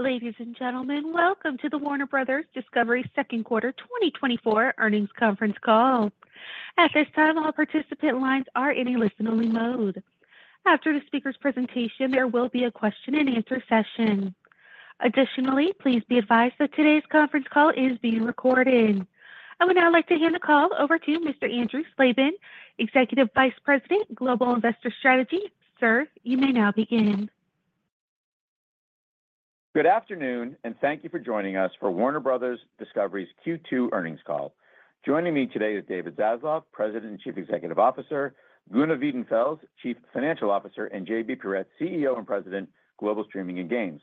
Ladies and gentlemen, welcome to the Warner Bros. Discovery Second Quarter 2024 Earnings Conference Call. At this time, all participant lines are in a listen-only mode. After the speaker's presentation, there will be a question-and-answer session. Additionally, please be advised that today's conference call is being recorded. I would now like to hand the call over to Mr. Andrew Slabin, Executive Vice President, Global Investor Strategy. Sir, you may now begin. Good afternoon, and thank you for joining us for Warner Bros. Discovery's Q2 earnings call. Joining me today is David Zaslav, President and Chief Executive Officer, Gunnar Wiedenfels, Chief Financial Officer, and JB Perrette, CEO and President, Global Streaming and Games.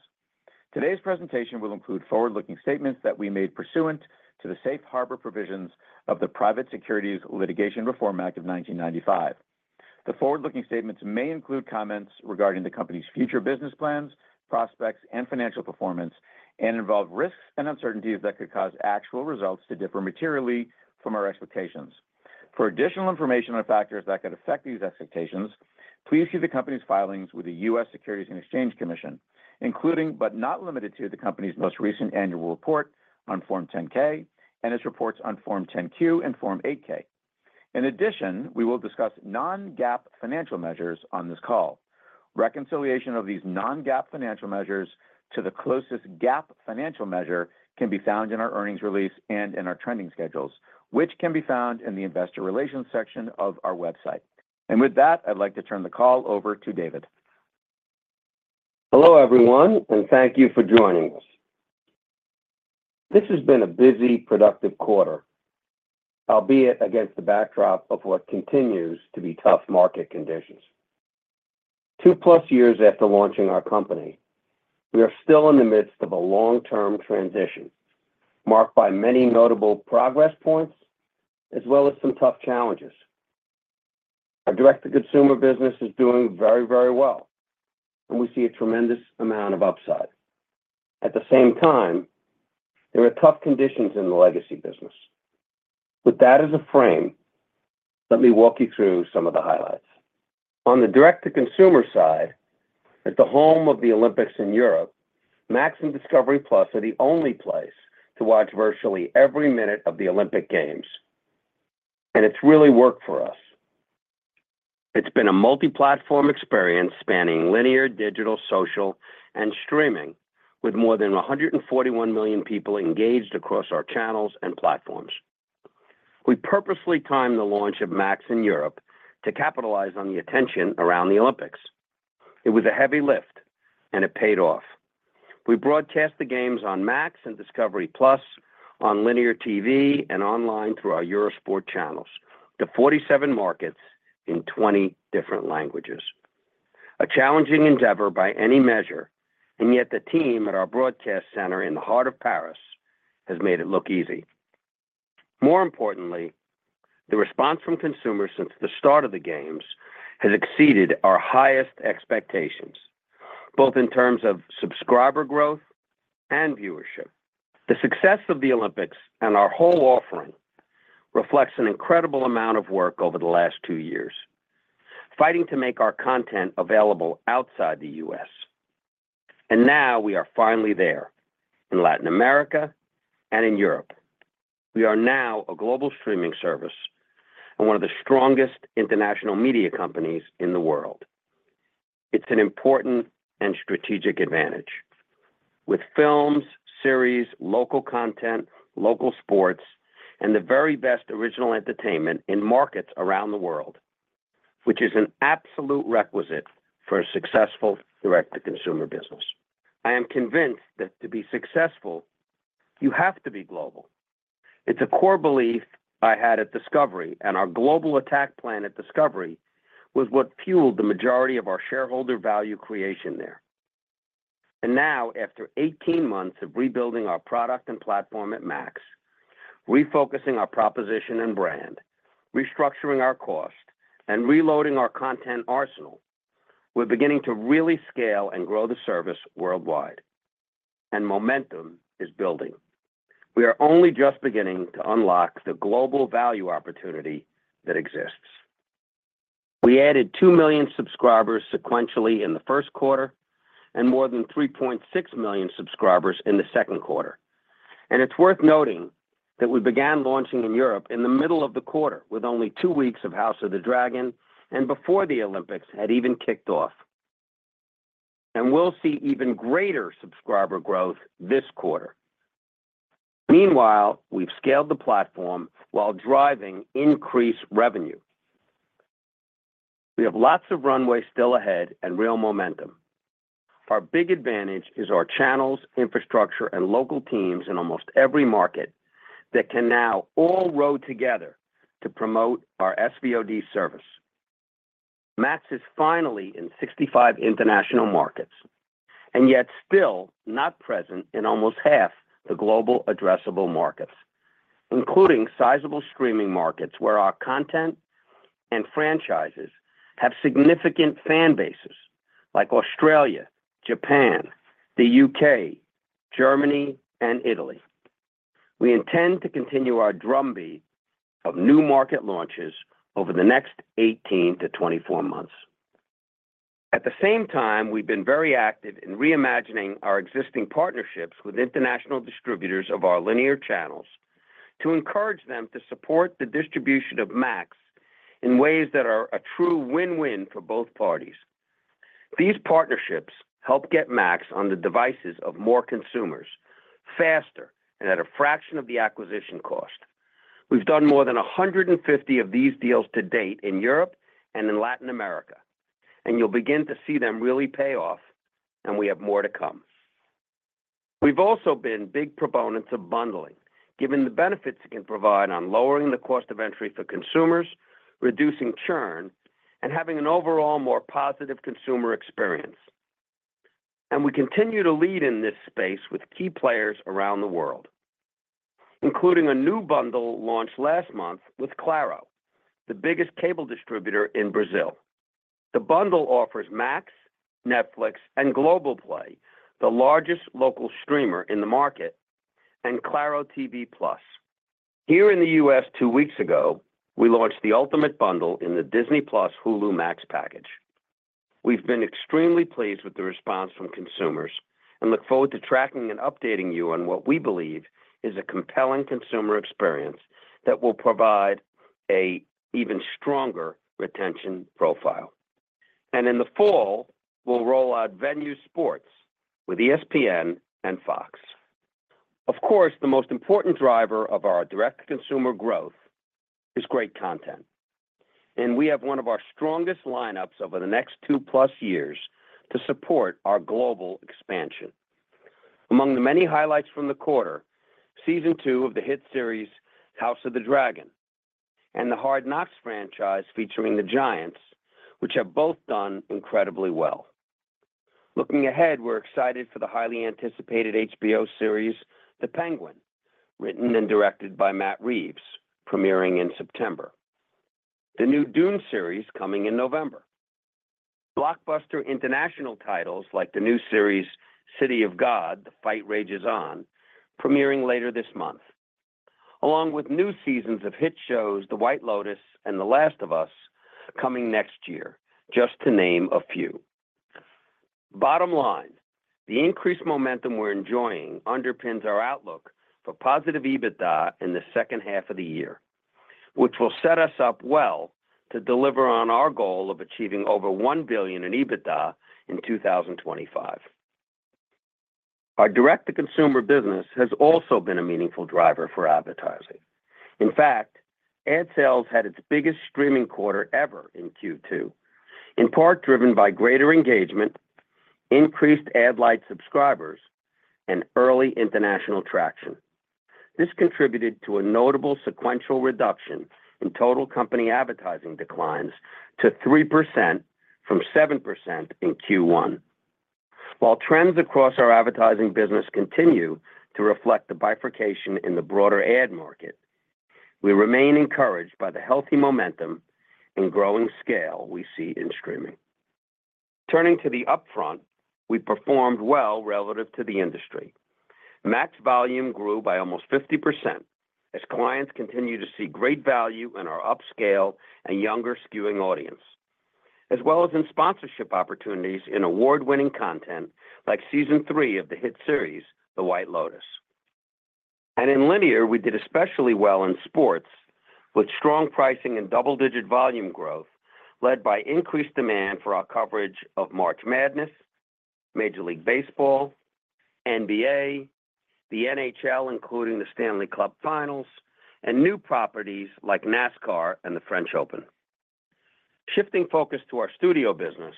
Today's presentation will include forward-looking statements that we made pursuant to the safe harbor provisions of the Private Securities Litigation Reform Act of 1995. The forward-looking statements may include comments regarding the company's future business plans, prospects, and financial performance, and involve risks and uncertainties that could cause actual results to differ materially from our expectations. For additional information on factors that could affect these expectations, please see the company's filings with the U.S. Securities and Exchange Commission, including, but not limited to, the company's most recent annual report on Form 10-K and its reports on Form 10-Q and Form 8-K. In addition, we will discuss non-GAAP financial measures on this call. Reconciliation of these non-GAAP financial measures to the closest GAAP financial measure can be found in our earnings release and in our trending schedules, which can be found in the investor relations section of our website. And with that, I'd like to turn the call over to David. Hello, everyone, and thank you for joining us. This has been a busy, productive quarter, albeit against the backdrop of what continues to be tough market conditions. 2+ years after launching our company, we are still in the midst of a long-term transition, marked by many notable progress points as well as some tough challenges. Our direct-to-consumer business is doing very, very well, and we see a tremendous amount of upside. At the same time, there are tough conditions in the legacy business. With that as a frame, let me walk you through some of the highlights. On the direct-to-consumer side, at the home of the Olympics in Europe, Max and Discovery+ are the only place to watch virtually every minute of the Olympic Games, and it's really worked for us. It's been a multi-platform experience spanning linear, digital, social, and streaming, with more than 141 million people engaged across our channels and platforms. We purposely timed the launch of Max in Europe to capitalize on the attention around the Olympics. It was a heavy lift, and it paid off. We broadcast the games on Max and Discovery+, on linear TV and online through our Eurosport channels to 47 markets in 20 different languages. A challenging endeavor by any measure, and yet the team at our broadcast center in the heart of Paris has made it look easy. More importantly, the response from consumers since the start of the games has exceeded our highest expectations, both in terms of subscriber growth and viewership. The success of the Olympics and our whole offering reflects an incredible amount of work over the last two years, fighting to make our content available outside the U.S. And now we are finally there, in Latin America and in Europe. We are now a global streaming service and one of the strongest international media companies in the world. It's an important and strategic advantage. With films, series, local content, local sports, and the very best original entertainment in markets around the world, which is an absolute requisite for a successful direct-to-consumer business. I am convinced that to be successful, you have to be global. It's a core belief I had at Discovery, and our global attack plan at Discovery was what fueled the majority of our shareholder value creation there. Now, after 18 months of rebuilding our product and platform at Max, refocusing our proposition and brand, restructuring our cost, and reloading our content arsenal, we're beginning to really scale and grow the service worldwide, and momentum is building. We are only just beginning to unlock the global value opportunity that exists. We added 2 million subscribers sequentially in the first quarter and more than 3.6 million subscribers in the second quarter. It's worth noting that we began launching in Europe in the middle of the quarter with only 2 weeks of House of the Dragon and before the Olympics had even kicked off. We'll see even greater subscriber growth this quarter. Meanwhile, we've scaled the platform while driving increased revenue. We have lots of runway still ahead and real momentum. Our big advantage is our channels, infrastructure, and local teams in almost every market that can now all row together to promote our SVOD service. Max is finally in 65 international markets, and yet still not present in almost half the global addressable markets, including sizable streaming markets where our content and franchises have significant fan bases like Australia, Japan, the U.K., Germany, and Italy. We intend to continue our drumbeat of new market launches over the next 18-24 months. At the same time, we've been very active in reimagining our existing partnerships with international distributors of our linear channels to encourage them to support the distribution of Max in ways that are a true win-win for both parties. These partnerships help get Max on the devices of more consumers faster and at a fraction of the acquisition cost. We've done more than 150 of these deals to date in Europe and in Latin America, and you'll begin to see them really pay off, and we have more to come. We've also been big proponents of bundling, given the benefits it can provide on lowering the cost of entry for consumers, reducing churn, and having an overall more positive consumer experience. We continue to lead in this space with key players around the world, including a new bundle launched last month with Claro, the biggest cable distributor in Brazil. The bundle offers Max, Netflix, and Globoplay, the largest local streamer in the market, and Claro tv+. Here in the U.S. two weeks ago, we launched the ultimate bundle in the Disney+-Hulu-Max package. We've been extremely pleased with the response from consumers and look forward to tracking and updating you on what we believe is a compelling consumer experience that will provide an even stronger retention profile. In the fall, we'll roll out Venu Sports with ESPN and Fox. Of course, the most important driver of our direct-to-consumer growth is great content, and we have one of our strongest lineups over the next 2+ years to support our global expansion. Among the many highlights from the quarter, Season 2 of the hit series House of the Dragon and the Hard Knocks franchise featuring the Giants, which have both done incredibly well. Looking ahead, we're excited for the highly anticipated HBO series, The Penguin, written and directed by Matt Reeves, premiering in September. The new Dune series coming in November. Blockbuster international titles like the new series, City of God: The Fight Rages On, premiering later this month, along with new seasons of hit shows, The White Lotus and The Last of Us, coming next year, just to name a few. Bottom line, the increased momentum we're enjoying underpins our outlook for positive EBITDA in the second half of the year, which will set us up well to deliver on our goal of achieving over $1 billion in EBITDA in 2025. Our direct-to-consumer business has also been a meaningful driver for advertising. In fact, ad sales had its biggest streaming quarter ever in Q2, in part driven by greater engagement, increased ad-lite subscribers, and early international traction. This contributed to a notable sequential reduction in total company advertising declines to 3% from 7% in Q1. While trends across our advertising business continue to reflect the bifurcation in the broader ad market, we remain encouraged by the healthy momentum and growing scale we see in streaming. Turning to the upfront, we performed well relative to the industry. Max volume grew by almost 50% as clients continue to see great value in our upscale and younger skewing audience, as well as in sponsorship opportunities in award-winning content like Season 3 of the hit series, The White Lotus. In linear, we did especially well in sports, with strong pricing and double-digit volume growth, led by increased demand for our coverage of March Madness, Major League Baseball, NBA, the NHL, including the Stanley Cup Finals, and new properties like NASCAR and the French Open. Shifting focus to our studio business,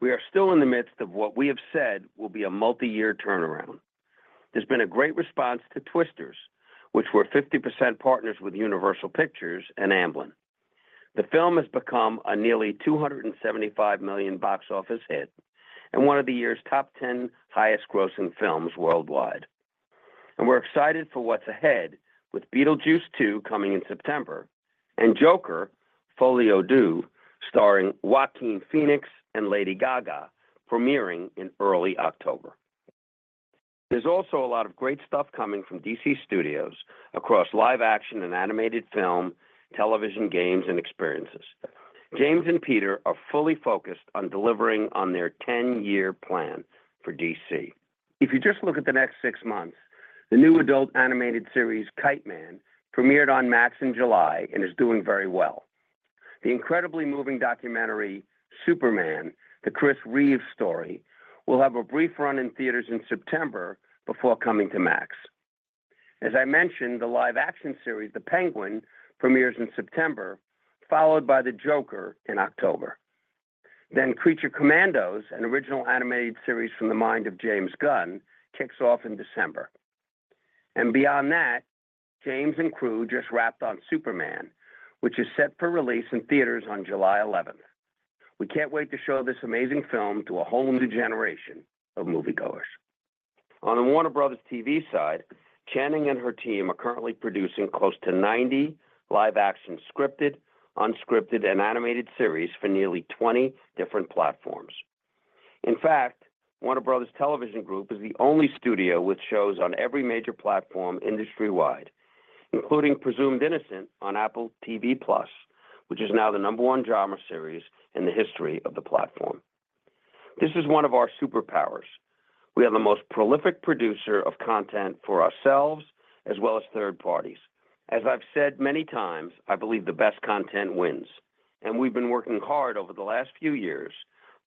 we are still in the midst of what we have said will be a multi-year turnaround. There's been a great response to Twisters, which we're 50% partners with Universal Pictures and Amblin. The film has become a nearly $275 million box office hit and one of the year's top 10 highest grossing films worldwide. We're excited for what's ahead with Beetlejuice 2 coming in September, and Joker: Folie à Deux, starring Joaquin Phoenix and Lady Gaga, premiering in early October. There's also a lot of great stuff coming from DC Studios across live action and animated film, television, games, and experiences. James and Peter are fully focused on delivering on their 10-year plan for DC. If you just look at the next 6 months, the new adult animated series, Kite Man, premiered on Max in July and is doing very well. The incredibly moving documentary, Super/Man: The Christopher Reeve Story, will have a brief run in theaters in September before coming to Max. As I mentioned, the live-action series, The Penguin, premieres in September, followed by the Joker in October. Then Creature Commandos, an original animated series from the mind of James Gunn, kicks off in December. And beyond that, James and crew just wrapped on Superman, which is set for release in theaters on July eleventh. We can't wait to show this amazing film to a whole new generation of moviegoers. On the Warner Bros. TV side, Channing and her team are currently producing close to 90 live-action, scripted, unscripted, and animated series for nearly 20 different platforms. In fact, Warner Bros. Television Group is the only studio with shows on every major platform industry-wide, including Presumed Innocent on Apple TV+, which is now the number one drama series in the history of the platform. This is one of our superpowers. We are the most prolific producer of content for ourselves as well as third parties. As I've said many times, I believe the best content wins, and we've been working hard over the last few years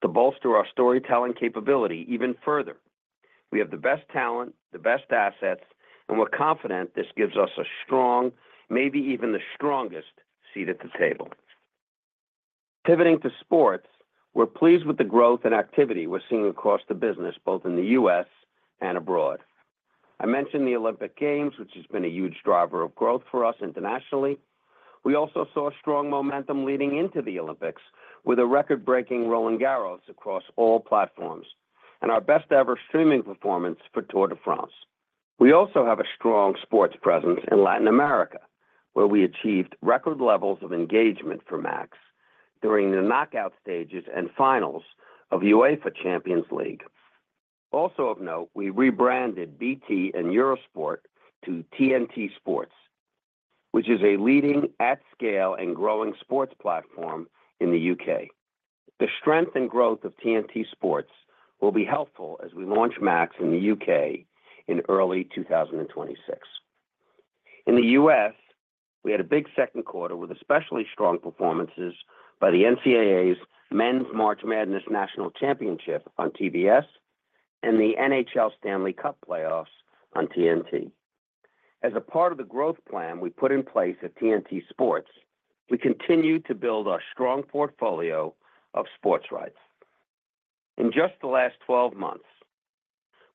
to bolster our storytelling capability even further. We have the best talent, the best assets, and we're confident this gives us a strong, maybe even the strongest, seat at the table. Pivoting to sports, we're pleased with the growth and activity we're seeing across the business, both in the U.S. and abroad. I mentioned the Olympic Games, which has been a huge driver of growth for us internationally. We also saw strong momentum leading into the Olympics with a record-breaking Roland-Garros across all platforms and our best-ever streaming performance for Tour de France. We also have a strong sports presence in Latin America, where we achieved record levels of engagement for Max during the knockout stages and finals of UEFA Champions League. Also of note, we rebranded BT and Eurosport to TNT Sports, which is a leading, at scale, and growing sports platform in the U.K. The strength and growth of TNT Sports will be helpful as we launch Max in the U.K. in early 2026. In the US, we had a big second quarter with especially strong performances by the NCAA's Men's March Madness National Championship on TBS and the NHL Stanley Cup playoffs on TNT. As a part of the growth plan we put in place at TNT Sports, we continued to build our strong portfolio of sports rights. In just the last 12 months,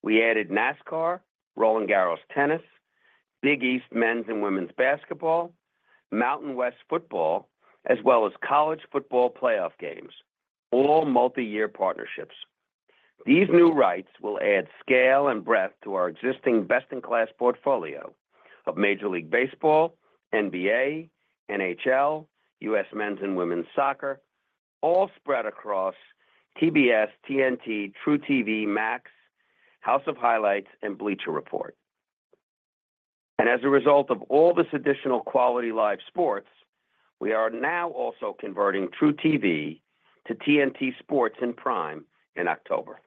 we added NASCAR, Roland-Garros tennis, Big East men's and women's basketball, Mountain West football, as well as College Football Playoff games, all multiyear partnerships. These new rights will add scale and breadth to our existing best-in-class portfolio of Major League Baseball, NBA, NHL, U.S. men's and women's soccer, all spread across TBS, TNT,truTV, Max, House of Highlights, and Bleacher Report. As a result of all this additional quality live sports, we are now also converting truTV to TNT Sports in primetime in October.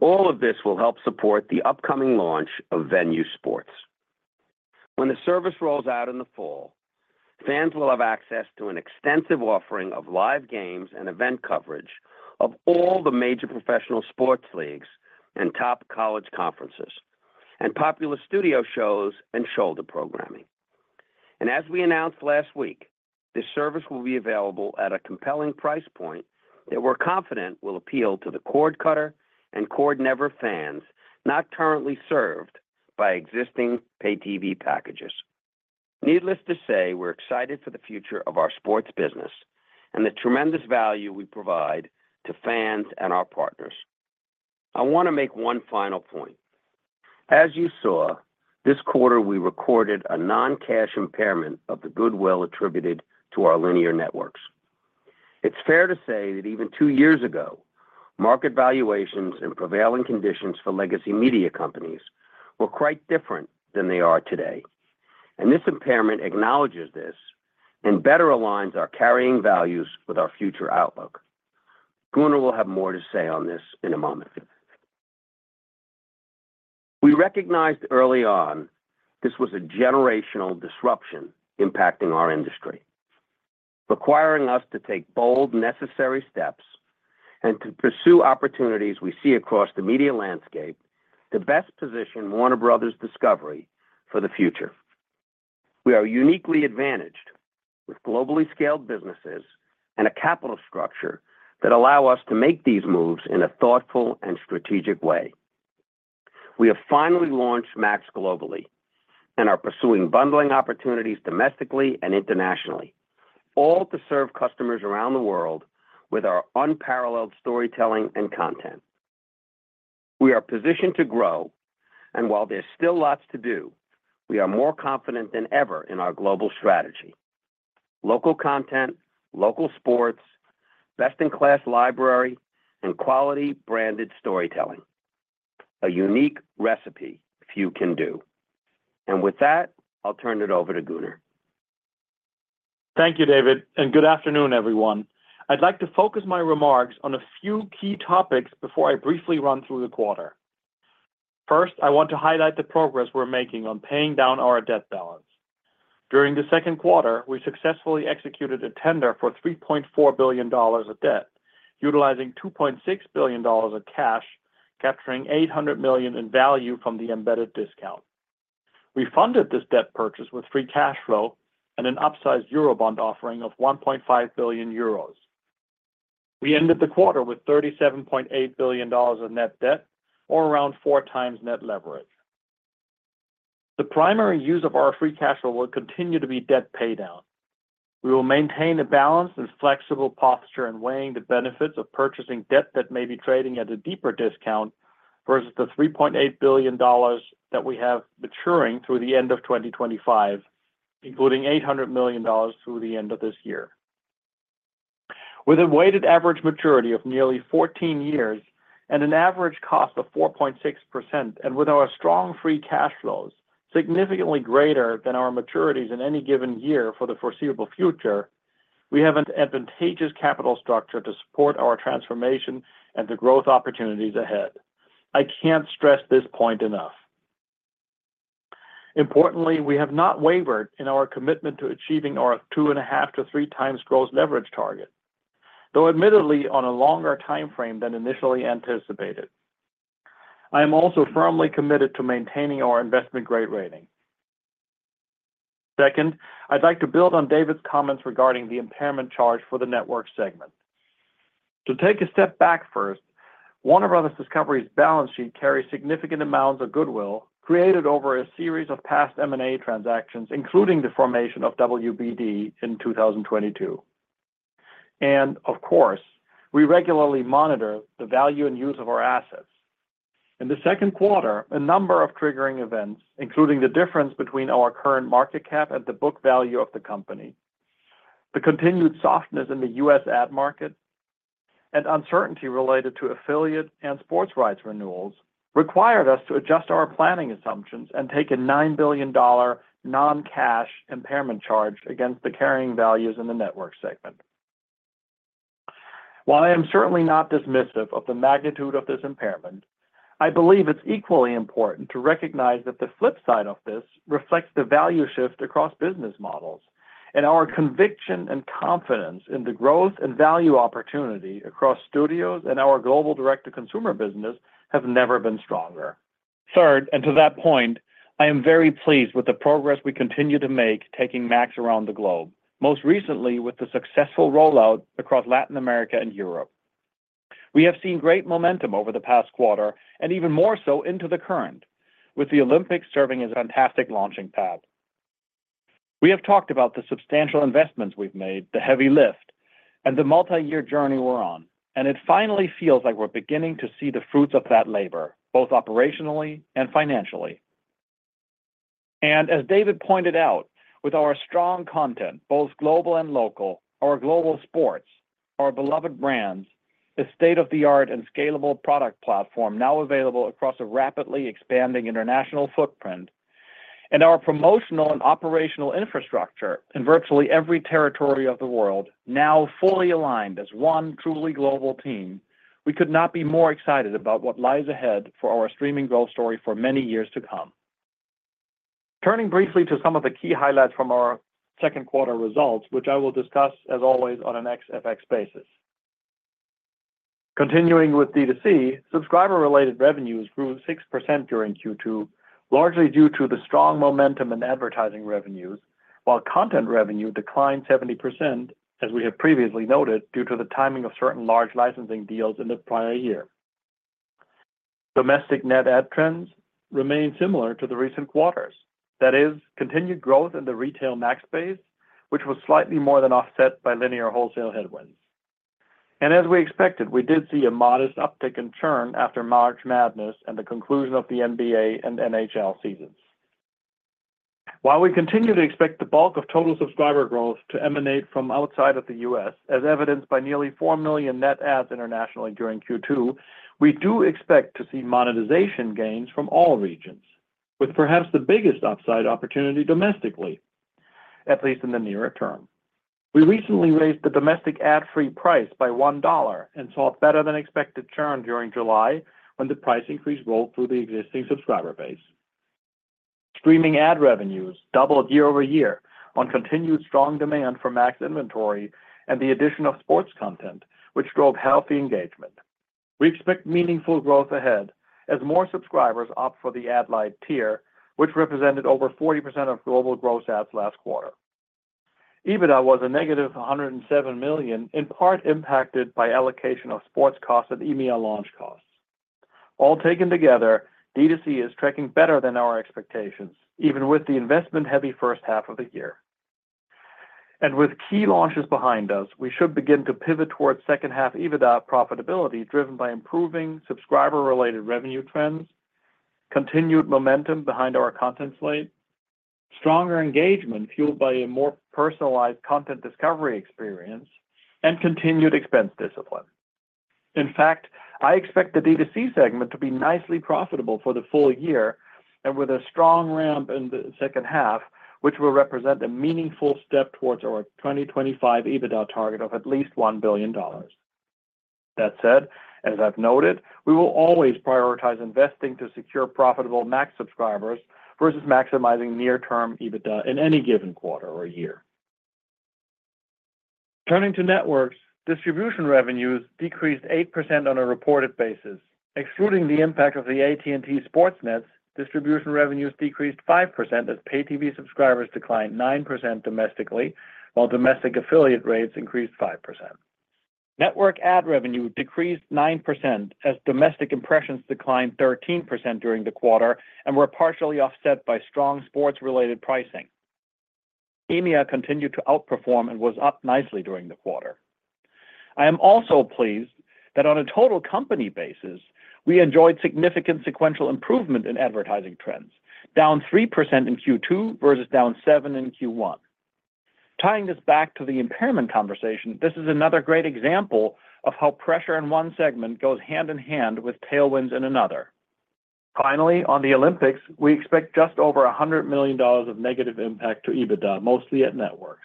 All of this will help support the upcoming launch of Venu Sports. When the service rolls out in the fall, fans will have access to an extensive offering of live games and event coverage of all the major professional sports leagues and top college conferences, and popular studio shows and shoulder programming. As we announced last week, this service will be available at a compelling price point that we're confident will appeal to the cord cutter and cord never fans not currently served by existing pay TV packages. Needless to say, we're excited for the future of our sports business and the tremendous value we provide to fans and our partners. I wanna make one final point. As you saw, this quarter, we recorded a non-cash impairment of the goodwill attributed to our linear networks. It's fair to say that even two years ago, market valuations and prevailing conditions for legacy media companies were quite different than they are today, and this impairment acknowledges this and better aligns our carrying values with our future outlook. Gunnar will have more to say on this in a moment. We recognized early on this was a generational disruption impacting our industry, requiring us to take bold, necessary steps and to pursue opportunities we see across the media landscape to best position Warner Bros. Discovery for the future. We are uniquely advantaged with globally scaled businesses and a capital structure that allow us to make these moves in a thoughtful and strategic way. We have finally launched Max globally and are pursuing bundling opportunities domestically and internationally, all to serve customers around the world with our unparalleled storytelling and content. We are positioned to grow, and while there's still lots to do, we are more confident than ever in our global strategy. Local content, local sports, best-in-class library, and quality branded storytelling, a unique recipe few can do. With that, I'll turn it over to Gunnar. Thank you, David, and good afternoon, everyone. I'd like to focus my remarks on a few key topics before I briefly run through the quarter. First, I want to highlight the progress we're making on paying down our debt balance. During the second quarter, we successfully executed a tender for $3.4 billion of debt, utilizing $2.6 billion of cash, capturing $800 million in value from the embedded discount. We funded this debt purchase with free cash flow and an upsized Eurobond offering of 1.5 billion euros. We ended the quarter with $37.8 billion of net debt or around 4x net leverage. The primary use of our free cash flow will continue to be debt paydown. We will maintain a balanced and flexible posture in weighing the benefits of purchasing debt that may be trading at a deeper discount versus the $3.8 billion that we have maturing through the end of 2025, including $800 million through the end of this year. With a weighted average maturity of nearly 14 years and an average cost of 4.6%, and with our strong free cash flows significantly greater than our maturities in any given year for the foreseeable future, we have an advantageous capital structure to support our transformation and the growth opportunities ahead. I can't stress this point enough. Importantly, we have not wavered in our commitment to achieving our 2.5-3 times growth leverage target, though admittedly on a longer timeframe than initially anticipated. I am also firmly committed to maintaining our investment-grade rating. Second, I'd like to build on David's comments regarding the impairment charge for the network segment. To take a step back first, Warner Bros. Discovery's balance sheet carries significant amounts of goodwill, created over a series of past M&A transactions, including the formation of WBD in 2022. And of course, we regularly monitor the value and use of our assets. In the second quarter, a number of triggering events, including the difference between our current market cap and the book value of the company, the continued softness in the U.S. ad market, and uncertainty related to affiliate and sports rights renewals, required us to adjust our planning assumptions and take a $9 billion non-cash impairment charge against the carrying values in the network segment. While I am certainly not dismissive of the magnitude of this impairment, I believe it's equally important to recognize that the flip side of this reflects the value shift across business models, and our conviction and confidence in the growth and value opportunity across studios and our global direct-to-consumer business have never been stronger. Third, and to that point, I am very pleased with the progress we continue to make, taking Max around the globe, most recently with the successful rollout across Latin America and Europe. We have seen great momentum over the past quarter and even more so into the current, with the Olympics serving as a fantastic launching pad. We have talked about the substantial investments we've made, the heavy lift, and the multi-year journey we're on, and it finally feels like we're beginning to see the fruits of that labor, both operationally and financially. As David pointed out, with our strong content, both global and local, our global sports, our beloved brands, the state-of-the-art and scalable product platform now available across a rapidly expanding international footprint, and our promotional and operational infrastructure in virtually every territory of the world, now fully aligned as one truly global team, we could not be more excited about what lies ahead for our streaming growth story for many years to come. Turning briefly to some of the key highlights from our second quarter results, which I will discuss, as always, on an exFX basis. Continuing with D2C, subscriber-related revenues grew 6% during Q2, largely due to the strong momentum in advertising revenues, while content revenue declined 70%, as we have previously noted, due to the timing of certain large licensing deals in the prior year. Domestic net add trends remain similar to the recent quarters. That is, continued growth in the retail Max base, which was slightly more than offset by linear wholesale headwinds. As we expected, we did see a modest uptick in churn after March Madness and the conclusion of the NBA and NHL seasons. While we continue to expect the bulk of total subscriber growth to emanate from outside of the U.S., as evidenced by nearly 4 million net adds internationally during Q2, we do expect to see monetization gains from all regions, with perhaps the biggest upside opportunity domestically, at least in the nearer term. We recently raised the domestic ad-free price by $1 and saw a better-than-expected churn during July when the price increase rolled through the existing subscriber base. Streaming ad revenues doubled year-over-year on continued strong demand for Max inventory and the addition of sports content, which drove healthy engagement. We expect meaningful growth ahead as more subscribers opt for the ad-lite tier, which represented over 40% of global gross ads last quarter. EBITDA was a negative $107 million, in part impacted by allocation of sports costs and EMEA launch costs. All taken together, D2C is tracking better than our expectations, even with the investment-heavy first half of the year. With key launches behind us, we should begin to pivot towards second half EBITDA profitability, driven by improving subscriber-related revenue trends, continued momentum behind our content slate, stronger engagement fueled by a more personalized content discovery experience, and continued expense discipline. In fact, I expect the D2C segment to be nicely profitable for the full year and with a strong ramp in the second half, which will represent a meaningful step towards our 2025 EBITDA target of at least $1 billion. That said, as I've noted, we will always prioritize investing to secure profitable Max subscribers versus maximizing near-term EBITDA in any given quarter or year. Turning to networks, distribution revenues decreased 8% on a reported basis. Excluding the impact of the AT&T SportsNets, distribution revenues decreased 5% as pay TV subscribers declined 9% domestically, while domestic affiliate rates increased 5%. Network ad revenue decreased 9% as domestic impressions declined 13% during the quarter and were partially offset by strong sports-related pricing. EMEA continued to outperform and was up nicely during the quarter. I am also pleased that on a total company basis, we enjoyed significant sequential improvement in advertising trends, down 3% in Q2, versus down 7% in Q1. Tying this back to the impairment conversation, this is another great example of how pressure in one segment goes hand in hand with tailwinds in another. Finally, on the Olympics, we expect just over $100 million of negative impact to EBITDA, mostly at Networks.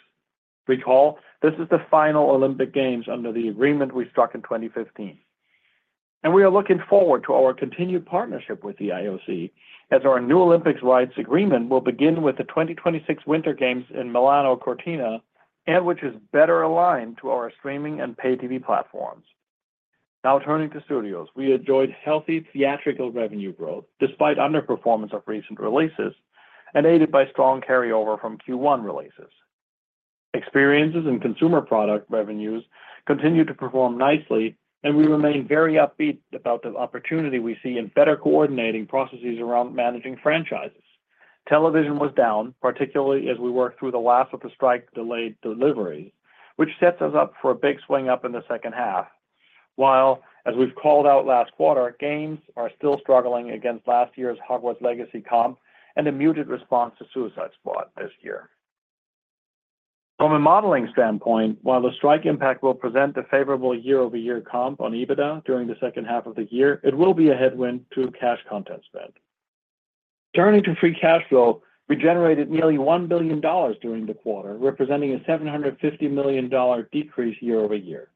Recall, this is the final Olympic Games under the agreement we struck in 2015. We are looking forward to our continued partnership with the IOC, as our new Olympics rights agreement will begin with the 2026 Winter Games in Milano Cortina, and which is better aligned to our streaming and pay TV platforms. Now turning to Studios. We enjoyed healthy theatrical revenue growth, despite underperformance of recent releases and aided by strong carryover from Q1 releases. Experiences and consumer product revenues continued to perform nicely, and we remain very upbeat about the opportunity we see in better coordinating processes around managing franchises. Television was down, particularly as we worked through the last of the strike-delayed deliveries, which sets us up for a big swing up in the second half, while, as we've called out last quarter, games are still struggling against last year's Hogwarts Legacy comp and a muted response to Suicide Squad this year. From a modeling standpoint, while the strike impact will present a favorable year-over-year comp on EBITDA during the second half of the year, it will be a headwind to cash content spend. Turning to free cash flow, we generated nearly $1 billion during the quarter, representing a $750 million decrease year-over-year.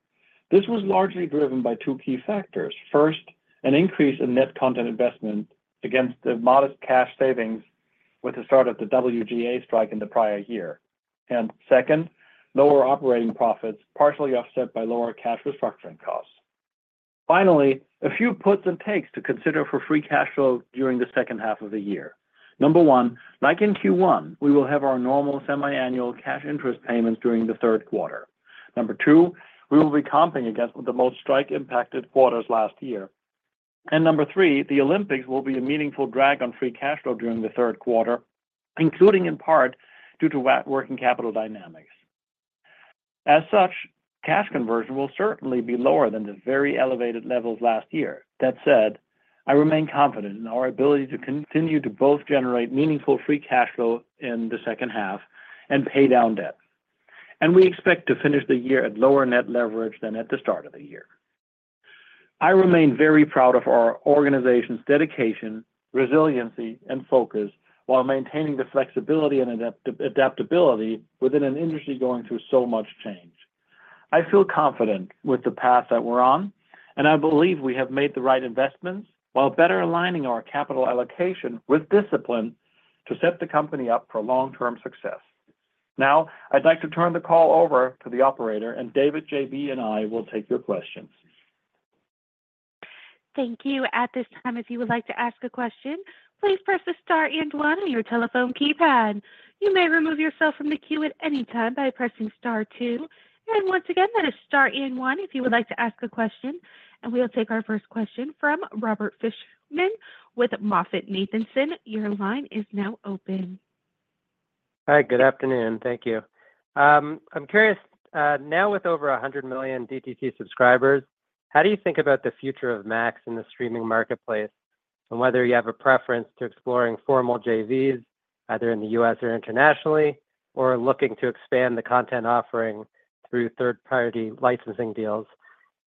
This was largely driven by two key factors. First, an increase in net content investment against the modest cash savings with the start of the WGA strike in the prior year. Second, lower operating profits, partially offset by lower cash restructuring costs. Finally, a few puts and takes to consider for free cash flow during the second half of the year. Number one, like in Q1, we will have our normal semiannual cash interest payments during the third quarter. Number two, we will be comping against the most strike-impacted quarters last year. Number three, the Olympics will be a meaningful drag on free cash flow during the third quarter, including in part due to working capital dynamics. As such, cash conversion will certainly be lower than the very elevated levels last year. That said, I remain confident in our ability to continue to both generate meaningful free cash flow in the second half and pay down debt. And we expect to finish the year at lower net leverage than at the start of the year. I remain very proud of our organization's dedication, resiliency, and focus while maintaining the flexibility and adaptability within an industry going through so much change. I feel confident with the path that we're on, and I believe we have made the right investments while better aligning our capital allocation with discipline to set the company up for long-term success. Now, I'd like to turn the call over to the operator, and David, JB, and I will take your questions. Thank you. At this time, if you would like to ask a question, please press the star and one on your telephone keypad. You may remove yourself from the queue at any time by pressing star two. Once again, that is star and one if you would like to ask a question, and we will take our first question from Robert Fishman with MoffettNathanson. Your line is now open. Hi, good afternoon. Thank you. I'm curious, now with over 100 million DTC subscribers, how do you think about the future of Max in the streaming marketplace, and whether you have a preference to exploring formal JVs, either in the U.S. or internationally, or looking to expand the content offering through third-party licensing deals?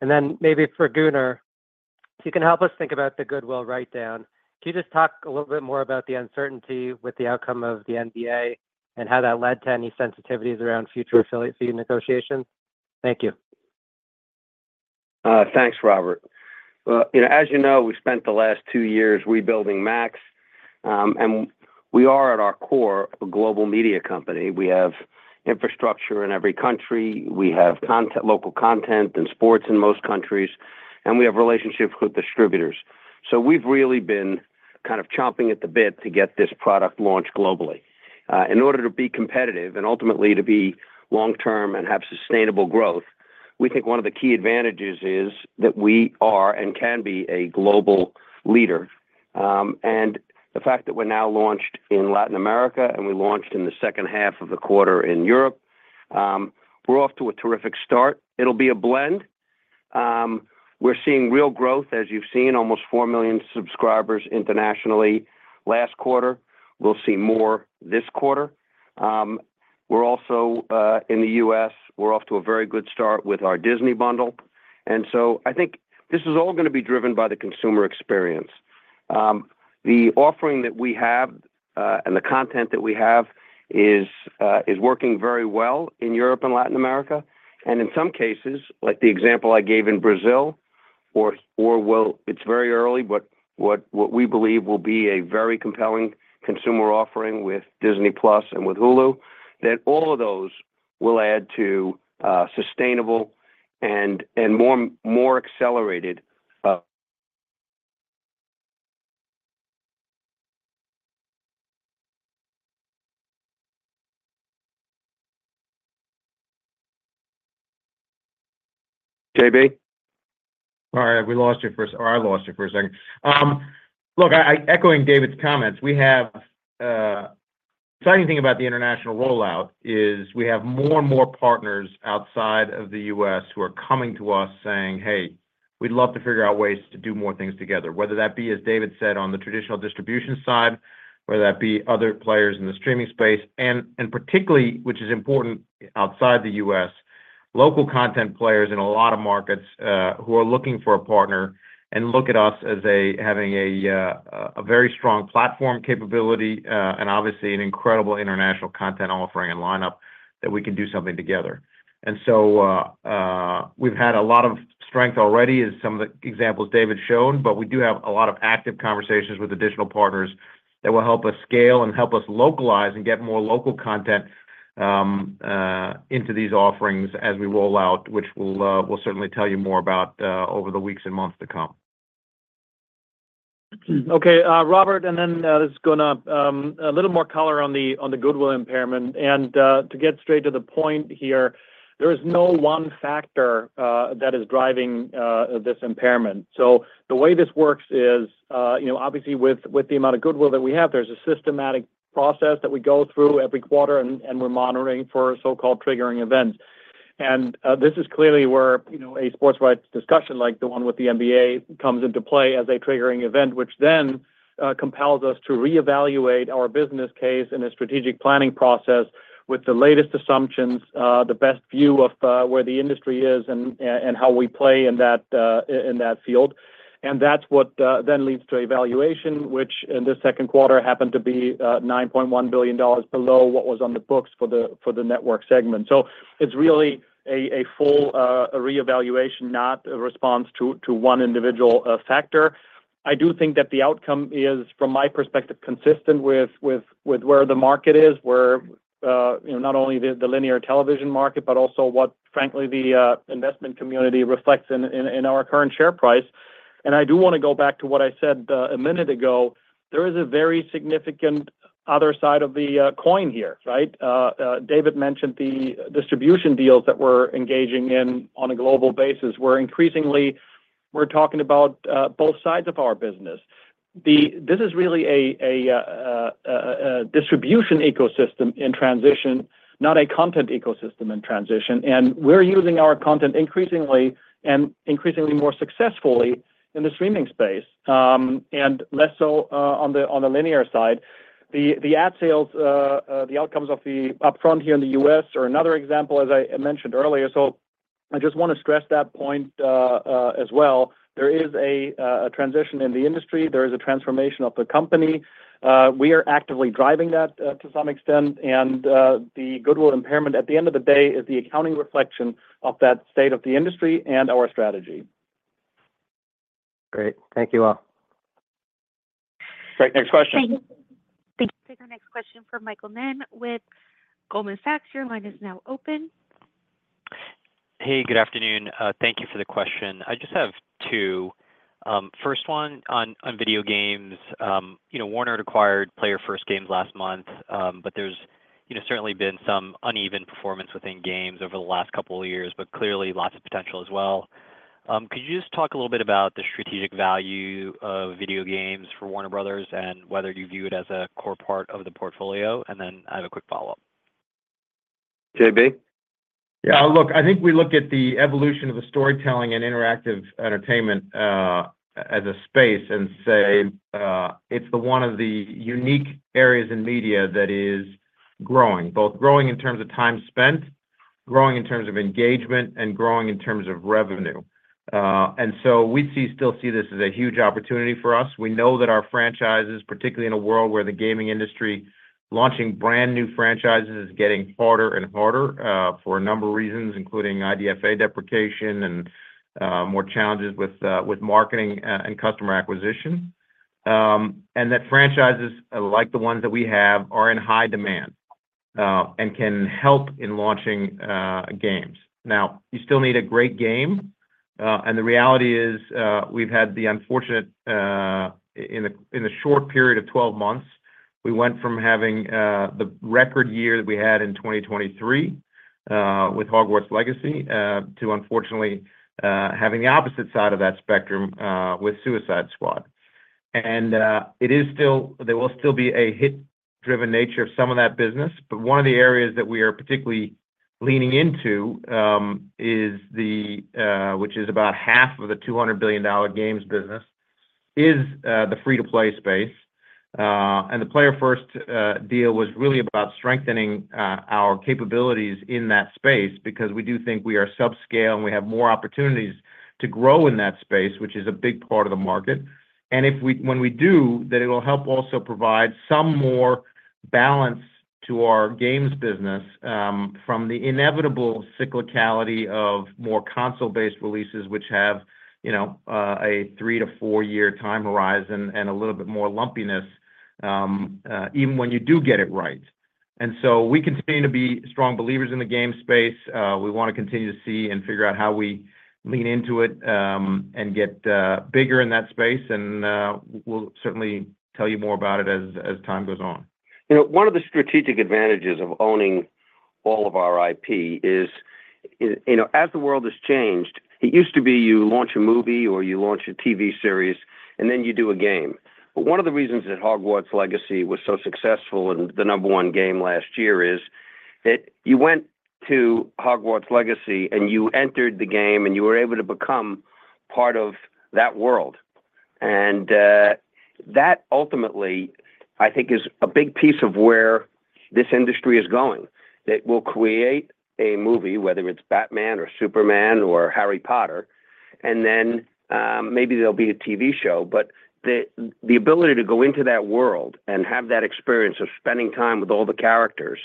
And then maybe for Gunnar, if you can help us think about the goodwill write-down. Can you just talk a little bit more about the uncertainty with the outcome of the NBA and how that led to any sensitivities around future affiliate fee negotiations? Thank you. Thanks, Robert. Well, you know, as you know, we spent the last 2 years rebuilding Max, and we are, at our core, a global media company. We have infrastructure in every country, we have content, local content and sports in most countries, and we have relationships with distributors. So we've really been kind of chomping at the bit to get this product launched globally. In order to be competitive and ultimately to be long-term and have sustainable growth, we think one of the key advantages is that we are and can be a global leader. And the fact that we're now launched in Latin America, and we launched in the second half of the quarter in Europe, we're off to a terrific start. It'll be a blend. We're seeing real growth, as you've seen, almost 4 million subscribers internationally last quarter. We'll see more this quarter. We're also in the U.S., we're off to a very good start with our Disney bundle. And so I think this is all gonna be driven by the consumer experience. The offering that we have and the content that we have is working very well in Europe and Latin America. And in some cases, like the example I gave in Brazil, it's very early, but what we believe will be a very compelling consumer offering with Disney+ and with Hulu, that all of those will add to sustainable and more accelerated... JB?... All right, I lost you for a second. Look, echoing David's comments, we have the exciting thing about the international rollout is we have more and more partners outside of the U.S. who are coming to us saying, "Hey, we'd love to figure out ways to do more things together." Whether that be, as David said, on the traditional distribution side, whether that be other players in the streaming space, and particularly, which is important outside the U.S., local content players in a lot of markets who are looking for a partner and look at us as having a very strong platform capability, and obviously an incredible international content offering and lineup that we can do something together. And so, we've had a lot of strength already, as some of the examples David showed, but we do have a lot of active conversations with additional partners that will help us scale and help us localize and get more local content into these offerings as we roll out, which we'll certainly tell you more about over the weeks and months to come. Okay, Robert, and then, just going to, a little more color on the goodwill impairment. And, to get straight to the point here, there is no one factor that is driving this impairment. So the way this works is, you know, obviously, with the amount of goodwill that we have, there's a systematic process that we go through every quarter, and we're monitoring for so-called triggering events. And, this is clearly where, you know, a sports rights discussion, like the one with the NBA, comes into play as a triggering event, which then, compels us to reevaluate our business case and the strategic planning process with the latest assumptions, the best view of, where the industry is and how we play in that field. That's what then leads to a valuation, which in this second quarter happened to be $9.1 billion below what was on the books for the network segment. It's really a full reevaluation, not a response to one individual factor. I do think that the outcome is, from my perspective, consistent with where the market is, where, you know, not only the linear television market, but also what, frankly, the investment community reflects in our current share price. I do want to go back to what I said a minute ago. There is a very significant other side of the coin here, right? David mentioned the distribution deals that we're engaging in on a global basis, where increasingly we're talking about both sides of our business. This is really a distribution ecosystem in transition, not a content ecosystem in transition, and we're using our content increasingly and increasingly more successfully in the streaming space, and less so on the linear side. The ad sales, the outcomes of the upfront here in the U.S. are another example, as I mentioned earlier. So I just want to stress that point, as well. There is a transition in the industry. There is a transformation of the company. We are actively driving that to some extent. The goodwill impairment, at the end of the day, is the accounting reflection of that state of the industry and our strategy. Great. Thank you all. Great. Next question. Thank you. Thank you. Our next question from Michael Ng with Goldman Sachs. Your line is now open. Hey, good afternoon. Thank you for the question. I just have two. First one, on video games. You know, Warner acquired Player First Games last month, but there's, you know, certainly been some uneven performance within games over the last couple of years, but clearly lots of potential as well. Could you just talk a little bit about the strategic value of video games for Warner Bros., and whether you view it as a core part of the portfolio? Then I have a quick follow-up. JB? Yeah, look, I think we look at the evolution of the storytelling and interactive entertainment, as a space and say, it's the one of the unique areas in media that is growing, both growing in terms of time spent, growing in terms of engagement, and growing in terms of revenue. And so we still see this as a huge opportunity for us. We know that our franchises, particularly in a world where the gaming industry, launching brand-new franchises, is getting harder and harder, for a number of reasons, including IDFA deprecation and, more challenges with marketing, and customer acquisition. And that franchises, like the ones that we have, are in high demand, and can help in launching games. Now, you still need a great game, and the reality is, we've had the unfortunate. In the short period of 12 months, we went from having the record year that we had in 2023 with Hogwarts Legacy to unfortunately having the opposite side of that spectrum with Suicide Squad. And it is still. There will still be a hit-driven nature of some of that business, but one of the areas that we are particularly leaning into is the which is about half of the $200 billion games business is the free-to-play space. And the Player First deal was really about strengthening our capabilities in that space because we do think we are subscale, and we have more opportunities to grow in that space, which is a big part of the market. And when we do, then it will help also provide some more balance to our games business from the inevitable cyclicality of more console-based releases, which have, you know, a 3-4-year time horizon and a little bit more lumpiness, even when you do get it right. And so we continue to be strong believers in the game space. We want to continue to see and figure out how we lean into it and get bigger in that space, and we'll certainly tell you more about it as time goes on. You know, one of the strategic advantages of owning-... all of our IP is, you know, as the world has changed, it used to be you launch a movie or you launch a TV series, and then you do a game. But one of the reasons that Hogwarts Legacy was so successful and the number one game last year is that you went to Hogwarts Legacy, and you entered the game, and you were able to become part of that world. And that ultimately, I think, is a big piece of where this industry is going. It will create a movie, whether it's Batman or Superman or Harry Potter, and then maybe there'll be a TV show. But the ability to go into that world and have that experience of spending time with all the characters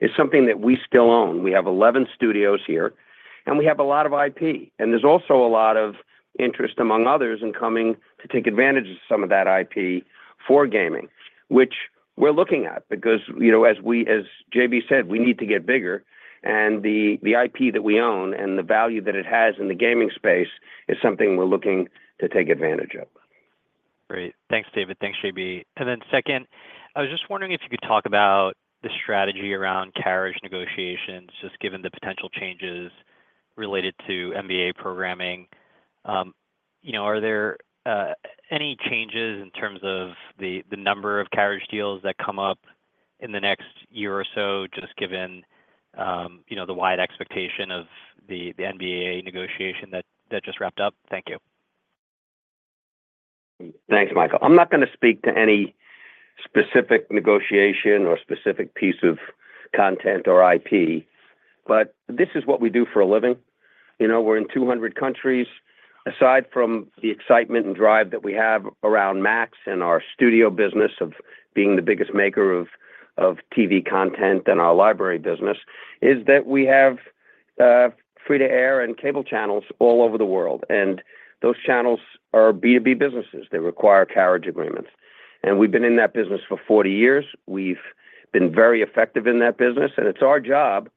is something that we still own. We have 11 studios here, and we have a lot of IP. There's also a lot of interest among others in coming to take advantage of some of that IP for gaming, which we're looking at because, you know, as we- as JB said, we need to get bigger, and the IP that we own and the value that it has in the gaming space is something we're looking to take advantage of. Great. Thanks, David. Thanks, JB. And then second, I was just wondering if you could talk about the strategy around carriage negotiations, just given the potential changes related to NBA programming. You know, are there any changes in terms of the number of carriage deals that come up in the next year or so, just given you know, the wide expectation of the NBA negotiation that just wrapped up? Thank you. Thanks, Michael. I'm not gonna speak to any specific negotiation or specific piece of content or IP, but this is what we do for a living. You know, we're in 200 countries. Aside from the excitement and drive that we have around Max and our studio business of being the biggest maker of TV content and our library business, is that we have free to air and cable channels all over the world, and those channels are B2B businesses. They require carriage agreements. And we've been in that business for 40 years. We've been very effective in that business, and it's our job,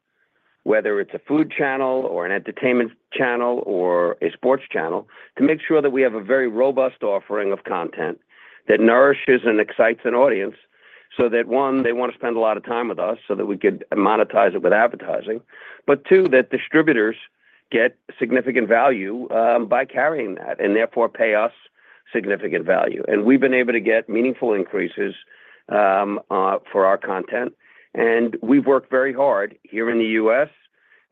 whether it's a food channel or an entertainment channel or a sports channel, to make sure that we have a very robust offering of content that nourishes and excites an audience, so that, one, they wanna spend a lot of time with us so that we could monetize it with advertising, but two, that distributors get significant value by carrying that, and therefore pay us significant value. We've been able to get meaningful increases for our content, and we've worked very hard here in the U.S.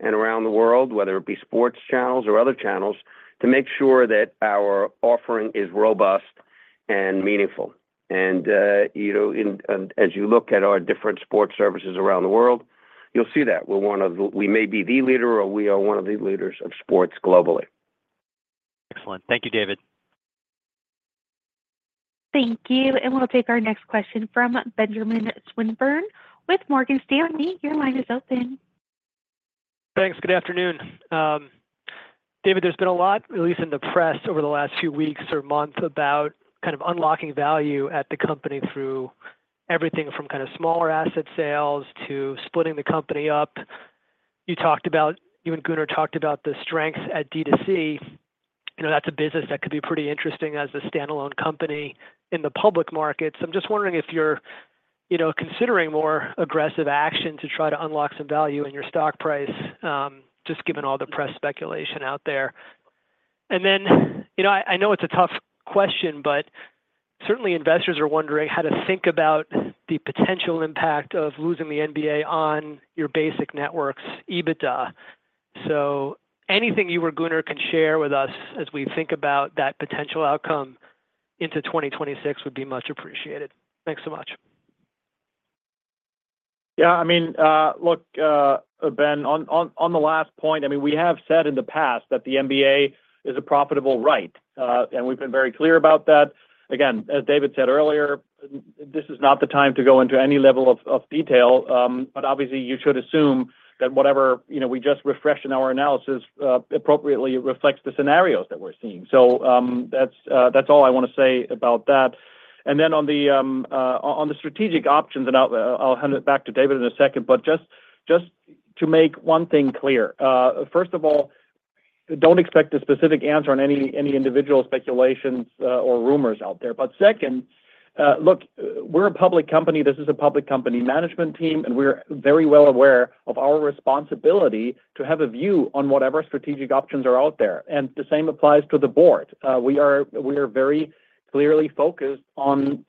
and around the world, whether it be sports channels or other channels, to make sure that our offering is robust and meaningful. You know, as you look at our different sports services around the world, you'll see that. We may be the leader or we are one of the leaders of sports globally. Excellent. Thank you, David. Thank you. We'll take our next question from Benjamin Swinburne with Morgan Stanley. Your line is open. Thanks. Good afternoon. David, there's been a lot, at least in the press, over the last few weeks or months about kind of unlocking value at the company through everything from kinda smaller asset sales to splitting the company up. You talked about... You and Gunnar talked about the strengths at D2C. You know, that's a business that could be pretty interesting as a standalone company in the public markets. I'm just wondering if you're, you know, considering more aggressive action to try to unlock some value in your stock price, just given all the press speculation out there. And then, you know, I know it's a tough question, but certainly investors are wondering how to think about the potential impact of losing the NBA on your basic network's EBITDA. Anything you or Gunnar can share with us as we think about that potential outcome into 2026 would be much appreciated. Thanks so much. Yeah, I mean, look, Ben, on the last point, I mean, we have said in the past that the NBA is a profitable right, and we've been very clear about that. Again, as David said earlier, this is not the time to go into any level of detail, but obviously you should assume that whatever, you know, we just refreshed in our analysis, appropriately reflects the scenarios that we're seeing. So, that's, that's all I wanna say about that. And then on the strategic options, and I'll hand it back to David in a second, but just to make one thing clear, first of all, don't expect a specific answer on any individual speculations or rumors out there. But second, look, we're a public company. This is a public company management team, and we're very well aware of our responsibility to have a view on whatever strategic options are out there, and the same applies to the board. We are very clearly focused on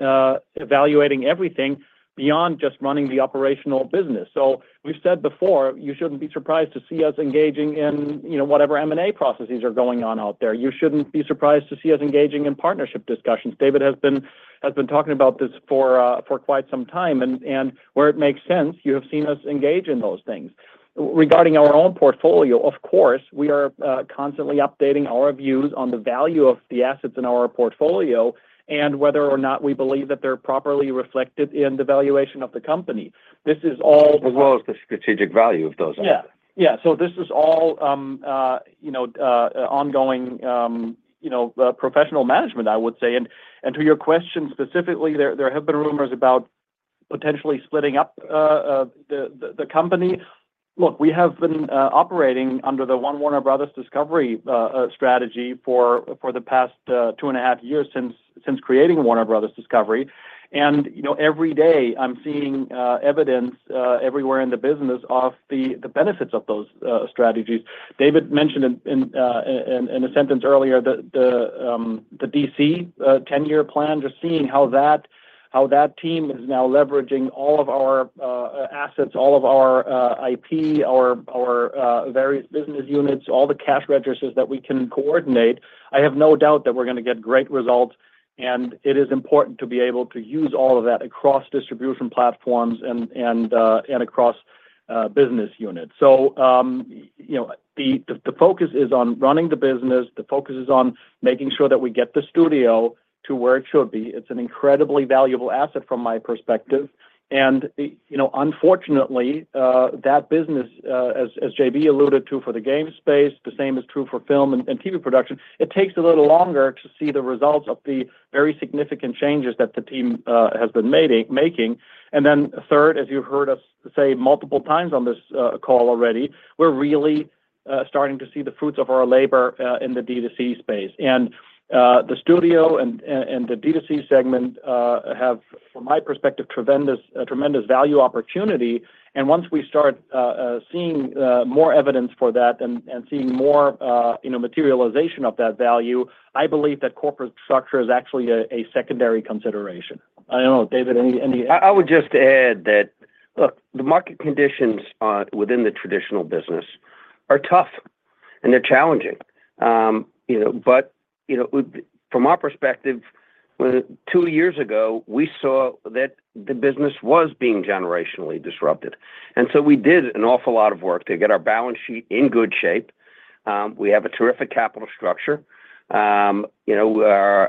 evaluating everything beyond just running the operational business. So we've said before, you shouldn't be surprised to see us engaging in, you know, whatever M&A processes are going on out there. You shouldn't be surprised to see us engaging in partnership discussions. David has been talking about this for quite some time, and where it makes sense, you have seen us engage in those things. Regarding our own portfolio, of course, we are constantly updating our views on the value of the assets in our portfolio and whether or not we believe that they're properly reflected in the valuation of the company. This is all- As well as the strategic value of those assets. Yeah. Yeah. So this is all, you know, ongoing, you know, professional management, I would say. And to your question, specifically, there have been rumors about potentially splitting up the company. ... Look, we have been operating under the One Warner Bros. Discovery strategy for the past 2.5 years since creating Warner Bros. Discovery. You know, every day I'm seeing evidence everywhere in the business of the benefits of those strategies. David mentioned in a sentence earlier that the DC 10-year plan, just seeing how that team is now leveraging all of our assets, all of our IP, our various business units, all the cash registers that we can coordinate. I have no doubt that we're gonna get great results, and it is important to be able to use all of that across distribution platforms and across business units. So, you know, the focus is on running the business. The focus is on making sure that we get the studio to where it should be. It's an incredibly valuable asset from my perspective. And, you know, unfortunately, that business, as JB alluded to, for the game space, the same is true for film and TV production. It takes a little longer to see the results of the very significant changes that the team has been making. And then third, as you heard us say multiple times on this call already, we're really starting to see the fruits of our labor in the D2C space. And, the studio and the D2C segment have, from my perspective, a tremendous value opportunity. Once we start seeing more evidence for that and seeing more, you know, materialization of that value, I believe that corporate structure is actually a secondary consideration. I don't know, David, any- I would just add that, look, the market conditions within the traditional business are tough, and they're challenging. You know, but, you know, from our perspective, two years ago, we saw that the business was being generationally disrupted, and so we did an awful lot of work to get our balance sheet in good shape. We have a terrific capital structure. You know,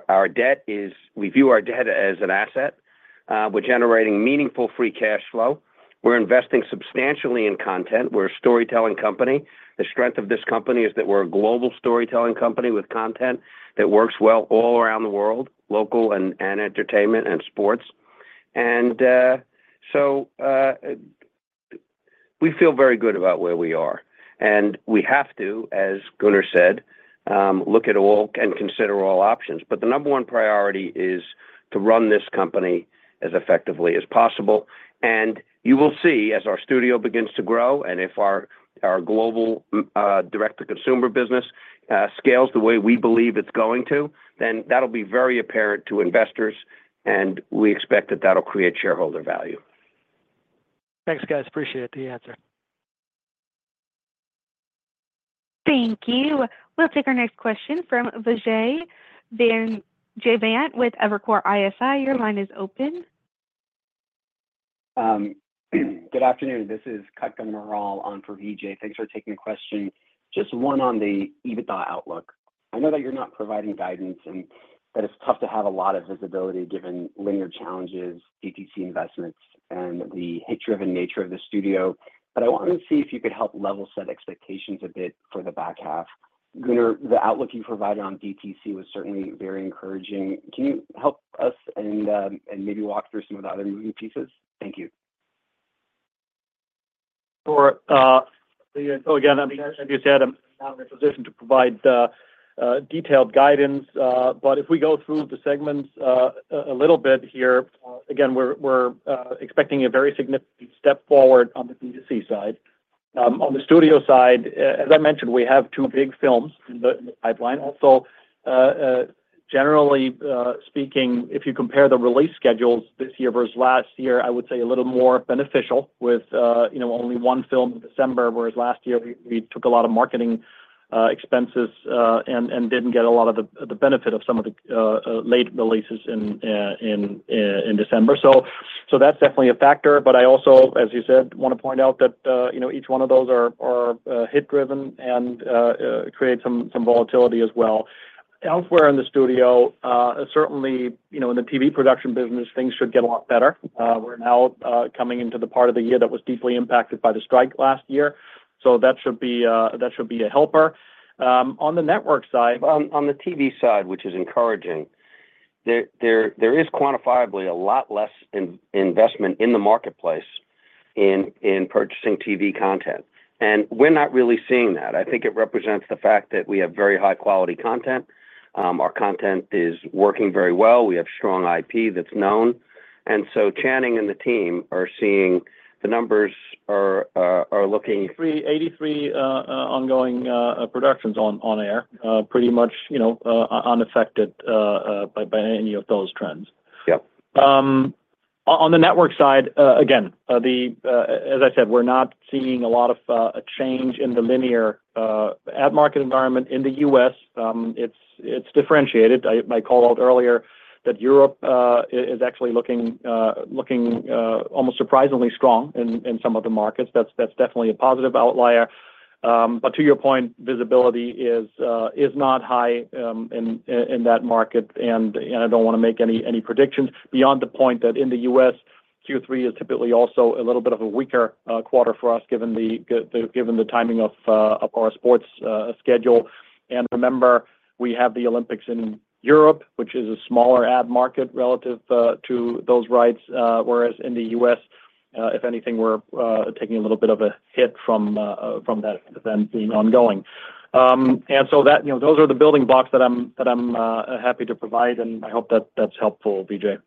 our debt is. We view our debt as an asset. We're generating meaningful free cash flow. We're investing substantially in content. We're a storytelling company. The strength of this company is that we're a global storytelling company with content that works well all around the world, local and entertainment and sports. And so we feel very good about where we are, and we have to, as Gunnar said, look at all and consider all options. The number one priority is to run this company as effectively as possible. You will see, as our studio begins to grow, and if our global direct-to-consumer business scales the way we believe it's going to, then that'll be very apparent to investors, and we expect that that'll create shareholder value. Thanks, guys. Appreciate the answer. Thank you. We'll take our next question from Vijay Jayant with Evercore ISI. Your line is open. Good afternoon, this is Kutgun Maral on for Vijay. Thanks for taking the question. Just one on the EBITDA outlook. I know that you're not providing guidance, and that it's tough to have a lot of visibility given linear challenges, DTC investments, and the hit-driven nature of the studio. But I wanted to see if you could help level set expectations a bit for the back half. Gunnar, the outlook you provided on DTC was certainly very encouraging. Can you help us and, and maybe walk through some of the other moving pieces? Thank you. Sure. So again, as you said, I'm not in a position to provide detailed guidance, but if we go through the segments a little bit here, again, we're expecting a very significant step forward on the D2C side. On the studio side, as I mentioned, we have two big films in the pipeline. Also, generally speaking, if you compare the release schedules this year versus last year, I would say a little more beneficial with, you know, only one film in December, whereas last year we took a lot of marketing expenses and didn't get a lot of the benefit of some of the late releases in December. So that's definitely a factor. But I also, as you said, want to point out that, you know, each one of those are hit-driven and create some volatility as well. Elsewhere in the studio, certainly, you know, in the TV production business, things should get a lot better. We're now coming into the part of the year that was deeply impacted by the strike last year, so that should be a helper. On the network side- On the TV side, which is encouraging, there is quantifiably a lot less investment in the marketplace in purchasing TV content, and we're not really seeing that. I think it represents the fact that we have very high-quality content. Our content is working very well. We have strong IP that's known. And so Channing and the team are seeing the numbers are looking- 83 ongoing productions on air, pretty much, you know, unaffected by any of those trends. Yep. On the network side, as I said, we're not seeing a lot of change in the linear ad market environment in the U.S. It's differentiated. My call out earlier, that Europe is actually looking almost surprisingly strong in some of the markets. That's definitely a positive outlier. But to your point, visibility is not high in that market, and I don't want to make any predictions beyond the point that in the U.S., Q3 is typically also a little bit of a weaker quarter for us, given the timing of our sports schedule. And remember, we have the Olympics in Europe, which is a smaller ad market relative to those rights, whereas in the U.S.-... If anything, we're taking a little bit of a hit from that event being ongoing. And so that, you know, those are the building blocks that I'm happy to provide, and I hope that that's helpful, Vijay.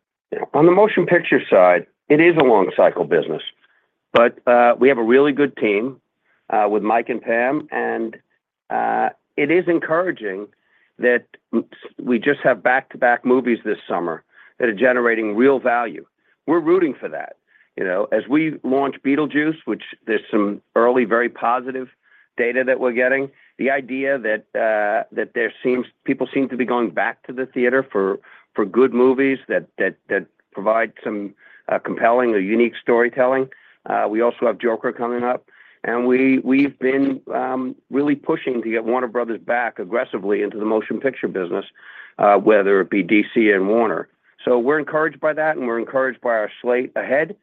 On the motion picture side, it is a long cycle business, but we have a really good team with Mike and Pam, and it is encouraging that we just have back-to-back movies this summer that are generating real value. We're rooting for that. You know, as we launch Beetlejuice, which there's some early, very positive data that we're getting, the idea that people seem to be going back to the theater for good movies that provide some compelling or unique storytelling. We also have Joker coming up, and we've been really pushing to get Warner Bros. back aggressively into the motion picture business, whether it be DC and Warner Bros. So we're encouraged by that, and we're encouraged by our slate ahead.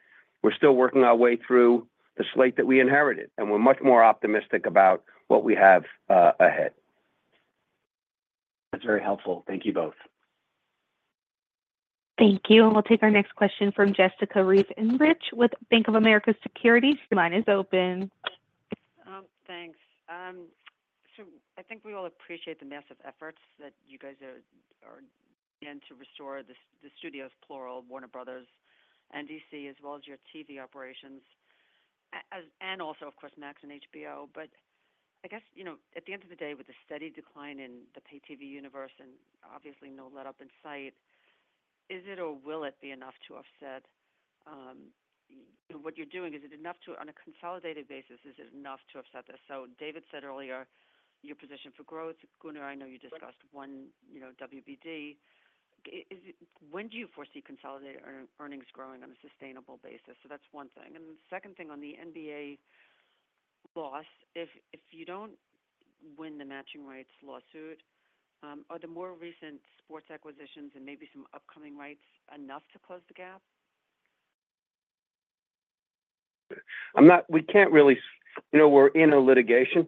We're still working our way through the slate that we inherited, and we're much more optimistic about what we have ahead. That's very helpful. Thank you both. Thank you. We'll take our next question from Jessica Reif Ehrlich with Bank of America Securities. Your line is open. Thanks. So I think we all appreciate the massive efforts that you guys are in to restore the studios, plural, Warner Bros. and DC, as well as your TV operations, and also, of course, Max and HBO. But I guess, you know, at the end of the day, with the steady decline in the pay TV universe and obviously no letup in sight, is it or will it be enough to offset what you're doing? Is it enough to... On a consolidated basis, is it enough to offset this? So David said earlier, your position for growth. Gunnar, I know you discussed one, you know, WBD. When do you foresee consolidated earnings growing on a sustainable basis? So that's one thing. The second thing on the NBA loss, if you don't win the matching rights lawsuit, are the more recent sports acquisitions and maybe some upcoming rights enough to close the gap? I'm not—we can't really. You know, we're in a litigation.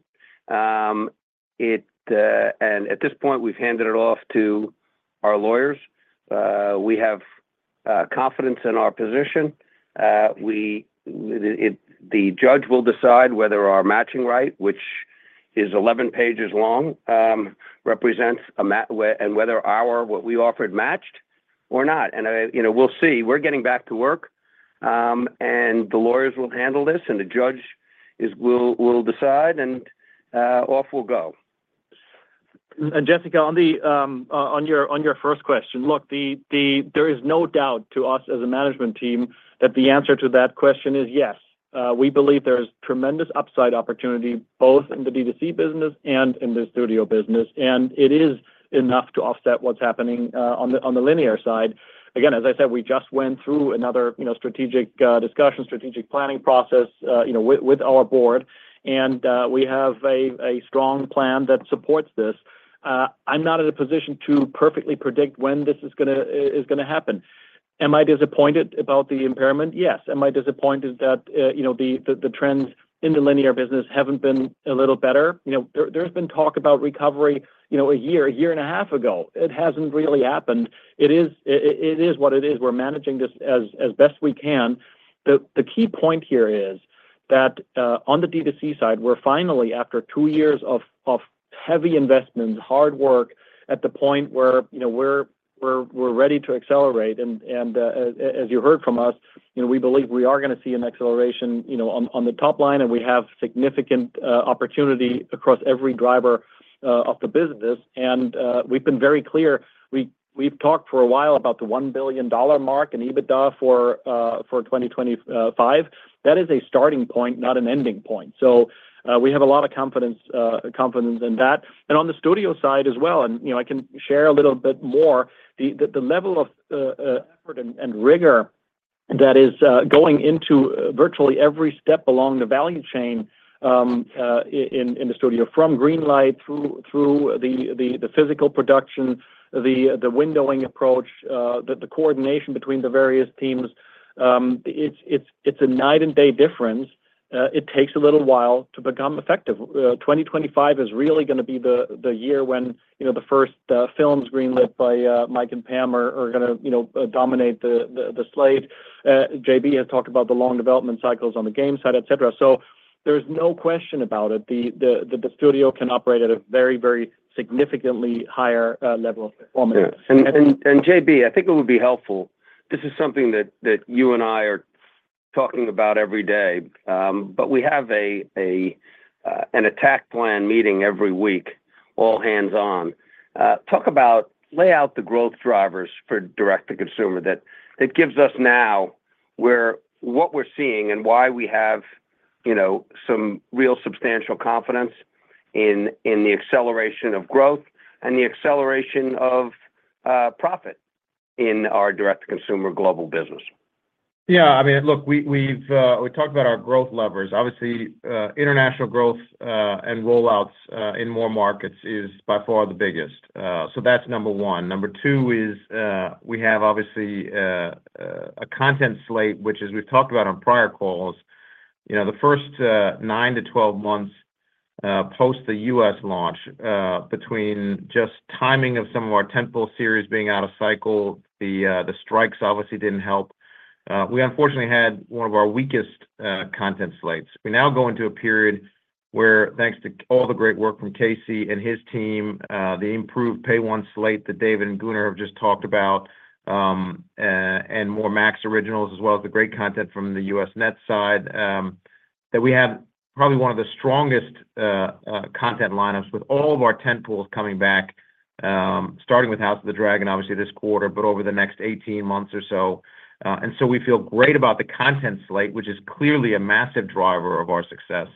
And at this point, we've handed it off to our lawyers. We have confidence in our position. We—it—the judge will decide whether our matching right, which is 11 pages long, represents a match, and whether what we offered matched or not. And, you know, we'll see. We're getting back to work, and the lawyers will handle this, and the judge will decide, and off we'll go. And Jessica, on your first question, look, there is no doubt to us as a management team that the answer to that question is yes. We believe there is tremendous upside opportunity, both in the D2C business and in the studio business, and it is enough to offset what's happening on the linear side. Again, as I said, we just went through another, you know, strategic discussion, strategic planning process, you know, with our board, and we have a strong plan that supports this. I'm not in a position to perfectly predict when this is gonna happen. Am I disappointed about the impairment? Yes. Am I disappointed that, you know, the trends in the linear business haven't been a little better? You know, there's been talk about recovery, you know, a year, a year and a half ago. It hasn't really happened. It is what it is. We're managing this as best we can. The key point here is that on the D2C side, we're finally, after two years of heavy investment, hard work, at the point where, you know, we're ready to accelerate. And as you heard from us, you know, we believe we are gonna see an acceleration, you know, on the top line, and we have significant opportunity across every driver of the business. And we've been very clear. We've talked for a while about the $1 billion mark in EBITDA for 2025. That is a starting point, not an ending point. So, we have a lot of confidence in that. And on the studio side as well, and, you know, I can share a little bit more, the level of effort and rigor that is going into virtually every step along the value chain, in the studio, from greenlight through the physical production, the windowing approach, the coordination between the various teams, it's a night and day difference. It takes a little while to become effective. 2025 is really gonna be the year when, you know, the first films greenlit by Mike and Pam are gonna, you know, dominate the slate. JB has talked about the long development cycles on the game side, et cetera. So there's no question about it, the studio can operate at a very, very significantly higher level of performance. And JB, I think it would be helpful. This is something that you and I are talking about every day. But we have an action plan meeting every week, all-hands. Talk about, lay out the growth drivers for direct-to-consumer that gives us now, where, what we're seeing and why we have, you know, some real substantial confidence in the acceleration of growth and the acceleration of profit in our direct-to-consumer global business. Yeah, I mean, look, we've talked about our growth levers. Obviously, international growth and rollouts in more markets is by far the biggest. So that's number one. Number two is we have obviously a content slate, which, as we've talked about on prior calls. You know, the first 9-12 months post the U.S. launch, between just timing of some of our tentpole series being out of cycle, the strikes obviously didn't help. We unfortunately had one of our weakest content slates. We now go into a period where, thanks to all the great work from Casey and his team, the improved Pay 1 slate that David and Gunnar have just talked about, and more Max Originals, as well as the great content from the U.S. Net side, that we have probably one of the strongest content lineups with all of our tentpoles coming back, starting with House of the Dragon, obviously this quarter, but over the next 18 months or so. And so we feel great about the content slate, which is clearly a massive driver of our success.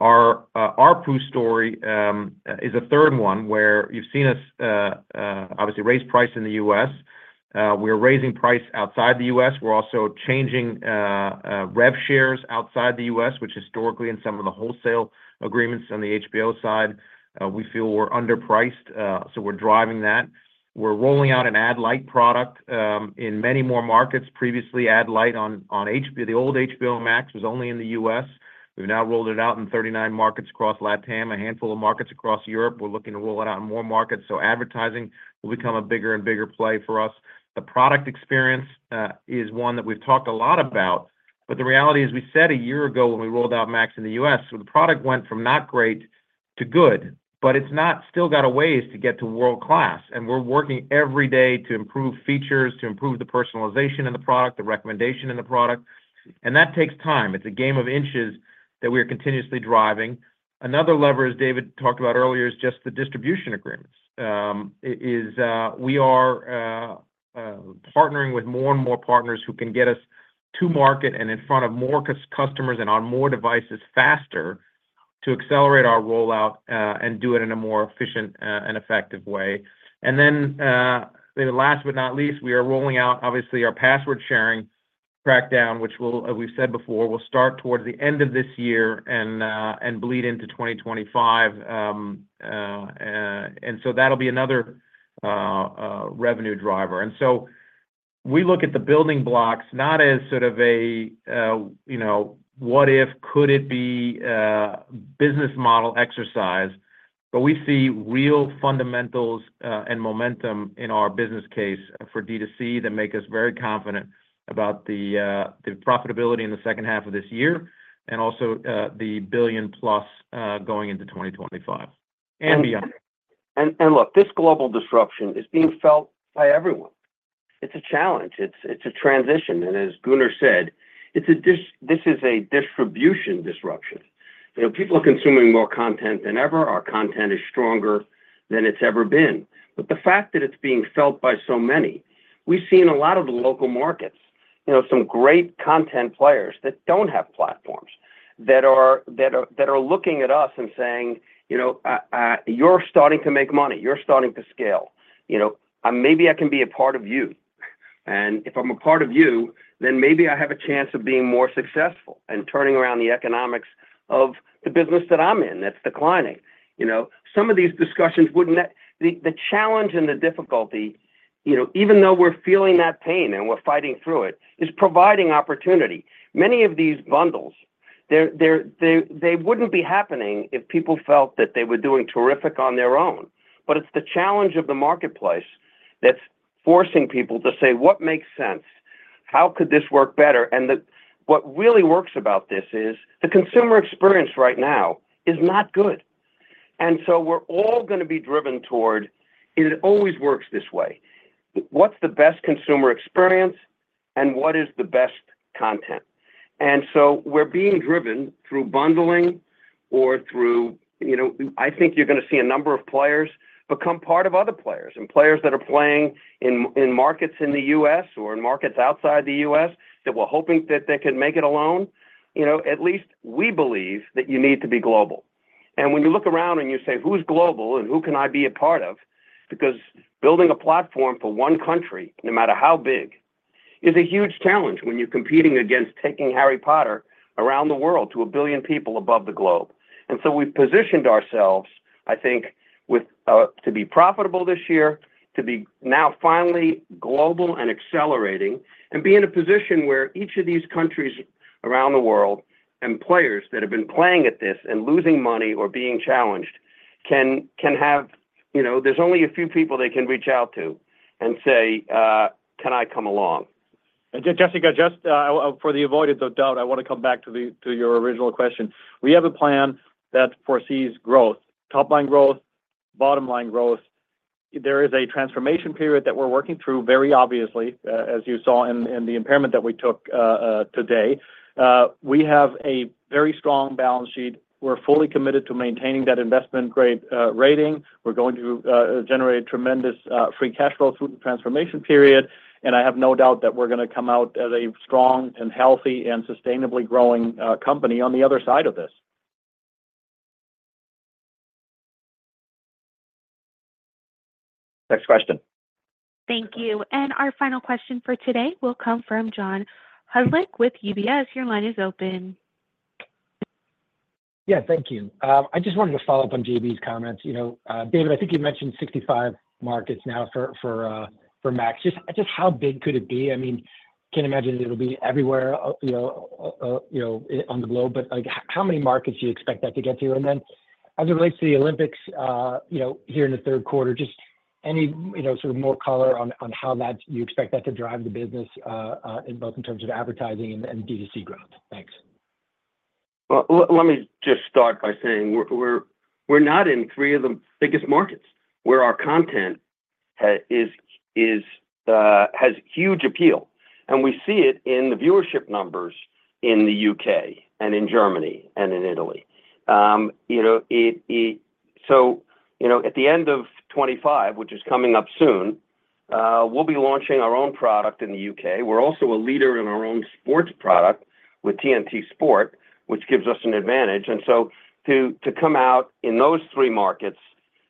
Our ARPU story is a third one, where you've seen us obviously raise price in the US. We're raising price outside the U.S., we're also changing rev shares outside the U.S., which historically in some of the wholesale agreements on the HBO side, we feel we're underpriced, so we're driving that. We're rolling out an ad-lite product in many more markets. Previously, ad-lite on the old HBO Max was only in the U.S. We've now rolled it out in 39 markets across LatAm, a handful of markets across Europe. We're looking to roll it out in more markets, so advertising will become a bigger and bigger play for us. The product experience is one that we've talked a lot about, but the reality is, we said a year ago when we rolled out Max in the U.S., so the product went from not great to good, but it's not, still got a ways to get to world-class, and we're working every day to improve features, to improve the personalization in the product, the recommendation in the product, and that takes time. It's a game of inches that we are continuously driving. Another lever, as David talked about earlier, is just the distribution agreements. We are partnering with more and more partners who can get us to market and in front of more customers and on more devices faster, to accelerate our rollout, and do it in a more efficient and effective way. And then, then last but not least, we are rolling out, obviously, our password sharing crackdown, which will... As we've said before, will start towards the end of this year and, and bleed into 2025. And so that'll be another, revenue driver. And so we look at the building blocks, not as sort of a, you know, what if, could it be, business model exercise, but we see real fundamentals, and momentum in our business case for D2C that make us very confident about the, the profitability in the second half of this year, and also, the $1 billion plus, going into 2025 and beyond. And look, this global disruption is being felt by everyone. It's a challenge. It's a transition, and as Gunnar said, this is a distribution disruption. You know, people are consuming more content than ever. Our content is stronger than it's ever been. But the fact that it's being felt by so many, we've seen a lot of the local markets, you know, some great content players that don't have platforms, that are looking at us and saying: "You know, you're starting to make money. You're starting to scale. You know, maybe I can be a part of you. And if I'm a part of you, then maybe I have a chance of being more successful and turning around the economics of the business that I'm in, that's declining." You know, some of these discussions wouldn't need the challenge and the difficulty, you know, even though we're feeling that pain and we're fighting through it, is providing opportunity. Many of these bundles, they wouldn't be happening if people felt that they were doing terrific on their own. But it's the challenge of the marketplace that's forcing people to say: "What makes sense? How could this work better?" And what really works about this is, the consumer experience right now is not good. And so we're all gonna be driven toward, and it always works this way. What's the best consumer experience, and what is the best content? So we're being driven through bundling or through, you know. I think you're gonna see a number of players become part of other players. Players that are playing in markets in the U.S. or in markets outside the U.S., that were hoping that they could make it alone, you know, at least we believe that you need to be global. When you look around and you say: "Who's global and who can I be a part of?" Because building a platform for one country, no matter how big, is a huge challenge when you're competing against taking Harry Potter around the world to 1 billion people above the globe. And so we've positioned ourselves, I think, with to be profitable this year, to be now finally global and accelerating, and be in a position where each of these countries around the world and players that have been playing at this and losing money or being challenged, can have... You know, there's only a few people they can reach out to and say, "Can I come along? Jessica, just, for the avoidance of doubt, I want to come back to your original question. We have a plan that foresees growth, top line growth, bottom line growth. There is a transformation period that we're working through very obviously, as you saw in the impairment that we took today. We have a very strong balance sheet. We're fully committed to maintaining that investment-grade rating. We're going to generate tremendous free cash flow through the transformation period, and I have no doubt that we're gonna come out as a strong and healthy, and sustainably growing company on the other side of this. Next question. Thank you. Our final question for today will come from John Hodulik with UBS. Your line is open.... Yeah, thank you. I just wanted to follow up on JB's comments. You know, David, I think you mentioned 65 markets now for Max. Just how big could it be? I mean, I can't imagine it'll be everywhere, you know, on the globe, but, like, how many markets do you expect that to get to? And then as it relates to the Olympics, you know, here in the third quarter, just any, you know, sort of more color on how that you expect that to drive the business, in both in terms of advertising and D2C growth? Thanks. Well, let me just start by saying we're not in three of the biggest markets where our content has huge appeal, and we see it in the viewership numbers in the U.K. and in Germany and in Italy. So, you know, at the end of 25, which is coming up soon, we'll be launching our own product in the U.K. We're also a leader in our own sports product with TNT Sports, which gives us an advantage. And so to come out in those three markets,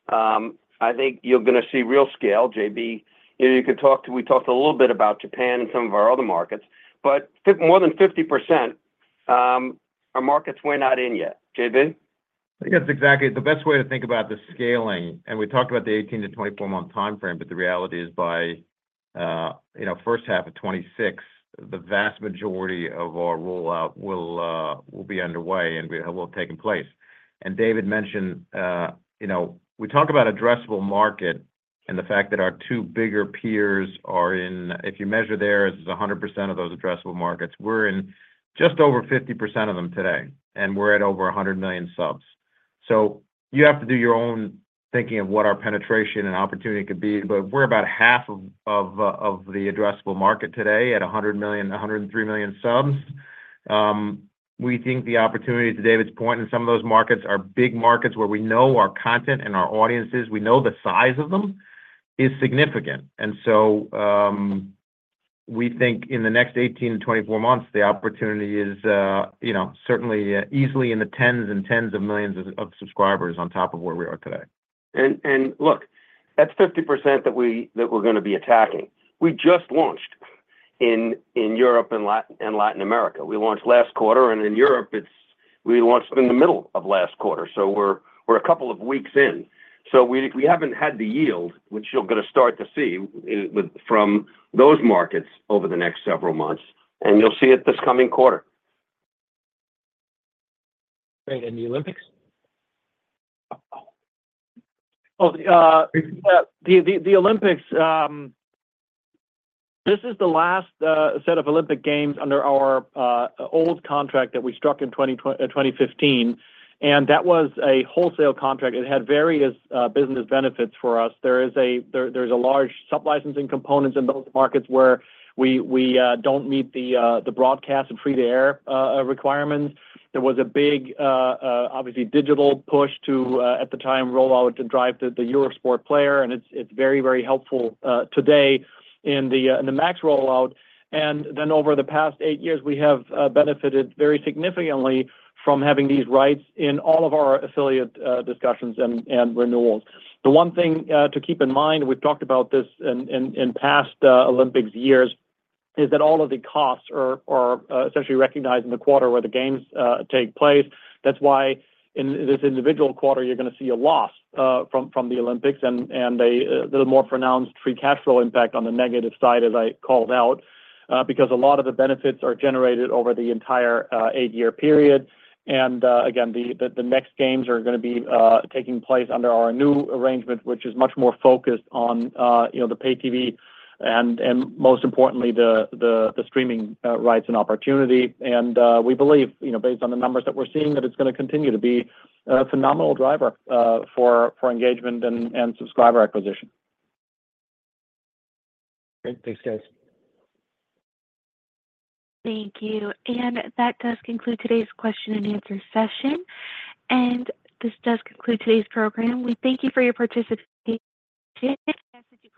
I think you're gonna see real scale. JB, if you could talk to... We talked a little bit about Japan and some of our other markets, but more than 50% are markets we're not in yet. JB? I think that's exactly the best way to think about the scaling, and we talked about the 18- to 24-month timeframe, but the reality is by, you know, first half of 2026, the vast majority of our rollout will, will be underway and will have taken place. And David mentioned, you know, we talk about addressable market and the fact that our two bigger peers are in, if you measure theirs, is 100% of those addressable markets. We're in just over 50% of them today, and we're at over 100 million subs. So you have to do your own thinking of what our penetration and opportunity could be, but we're about half of, of, of the addressable market today at 100 million, 103 million subs. We think the opportunity, to David's point, in some of those markets are big markets where we know our content and our audiences. We know the size of them is significant. And so, we think in the next 18-24 months, the opportunity is, you know, certainly, easily in the tens and tens of millions of, of subscribers on top of where we are today. And look, that's 50% that we're gonna be attacking. We just launched in Europe and Latin America. We launched last quarter, and in Europe, it's we launched in the middle of last quarter, so we're a couple of weeks in. So we haven't had the yield, which you're gonna start to see from those markets over the next several months, and you'll see it this coming quarter. Great. And the Olympics? Oh, the Olympics, this is the last set of Olympic Games under our old contract that we struck in 2015, and that was a wholesale contract. It had various business benefits for us. There is a large sublicensing component in those markets where we don't meet the broadcast and free-to-air requirements. There was a big, obviously digital push at the time to roll out to drive the Eurosport Player, and it's very helpful today in the Max rollout. And then over the past eight years, we have benefited very significantly from having these rights in all of our affiliate discussions and renewals. The one thing to keep in mind, we've talked about this in past Olympics years, is that all of the costs are essentially recognized in the quarter where the games take place. That's why in this individual quarter, you're gonna see a loss from the Olympics and a little more pronounced free cash flow impact on the negative side, as I called out, because a lot of the benefits are generated over the entire eight-year period. And again, the next games are gonna be taking place under our new arrangement, which is much more focused on, you know, the pay TV and most importantly, the streaming rights and opportunity. We believe, you know, based on the numbers that we're seeing, that it's gonna continue to be a phenomenal driver for engagement and subscriber acquisition. Great. Thanks, guys. Thank you. That does conclude today's question and answer session, and this does conclude today's program. We thank you for your participation today. I ask that you please-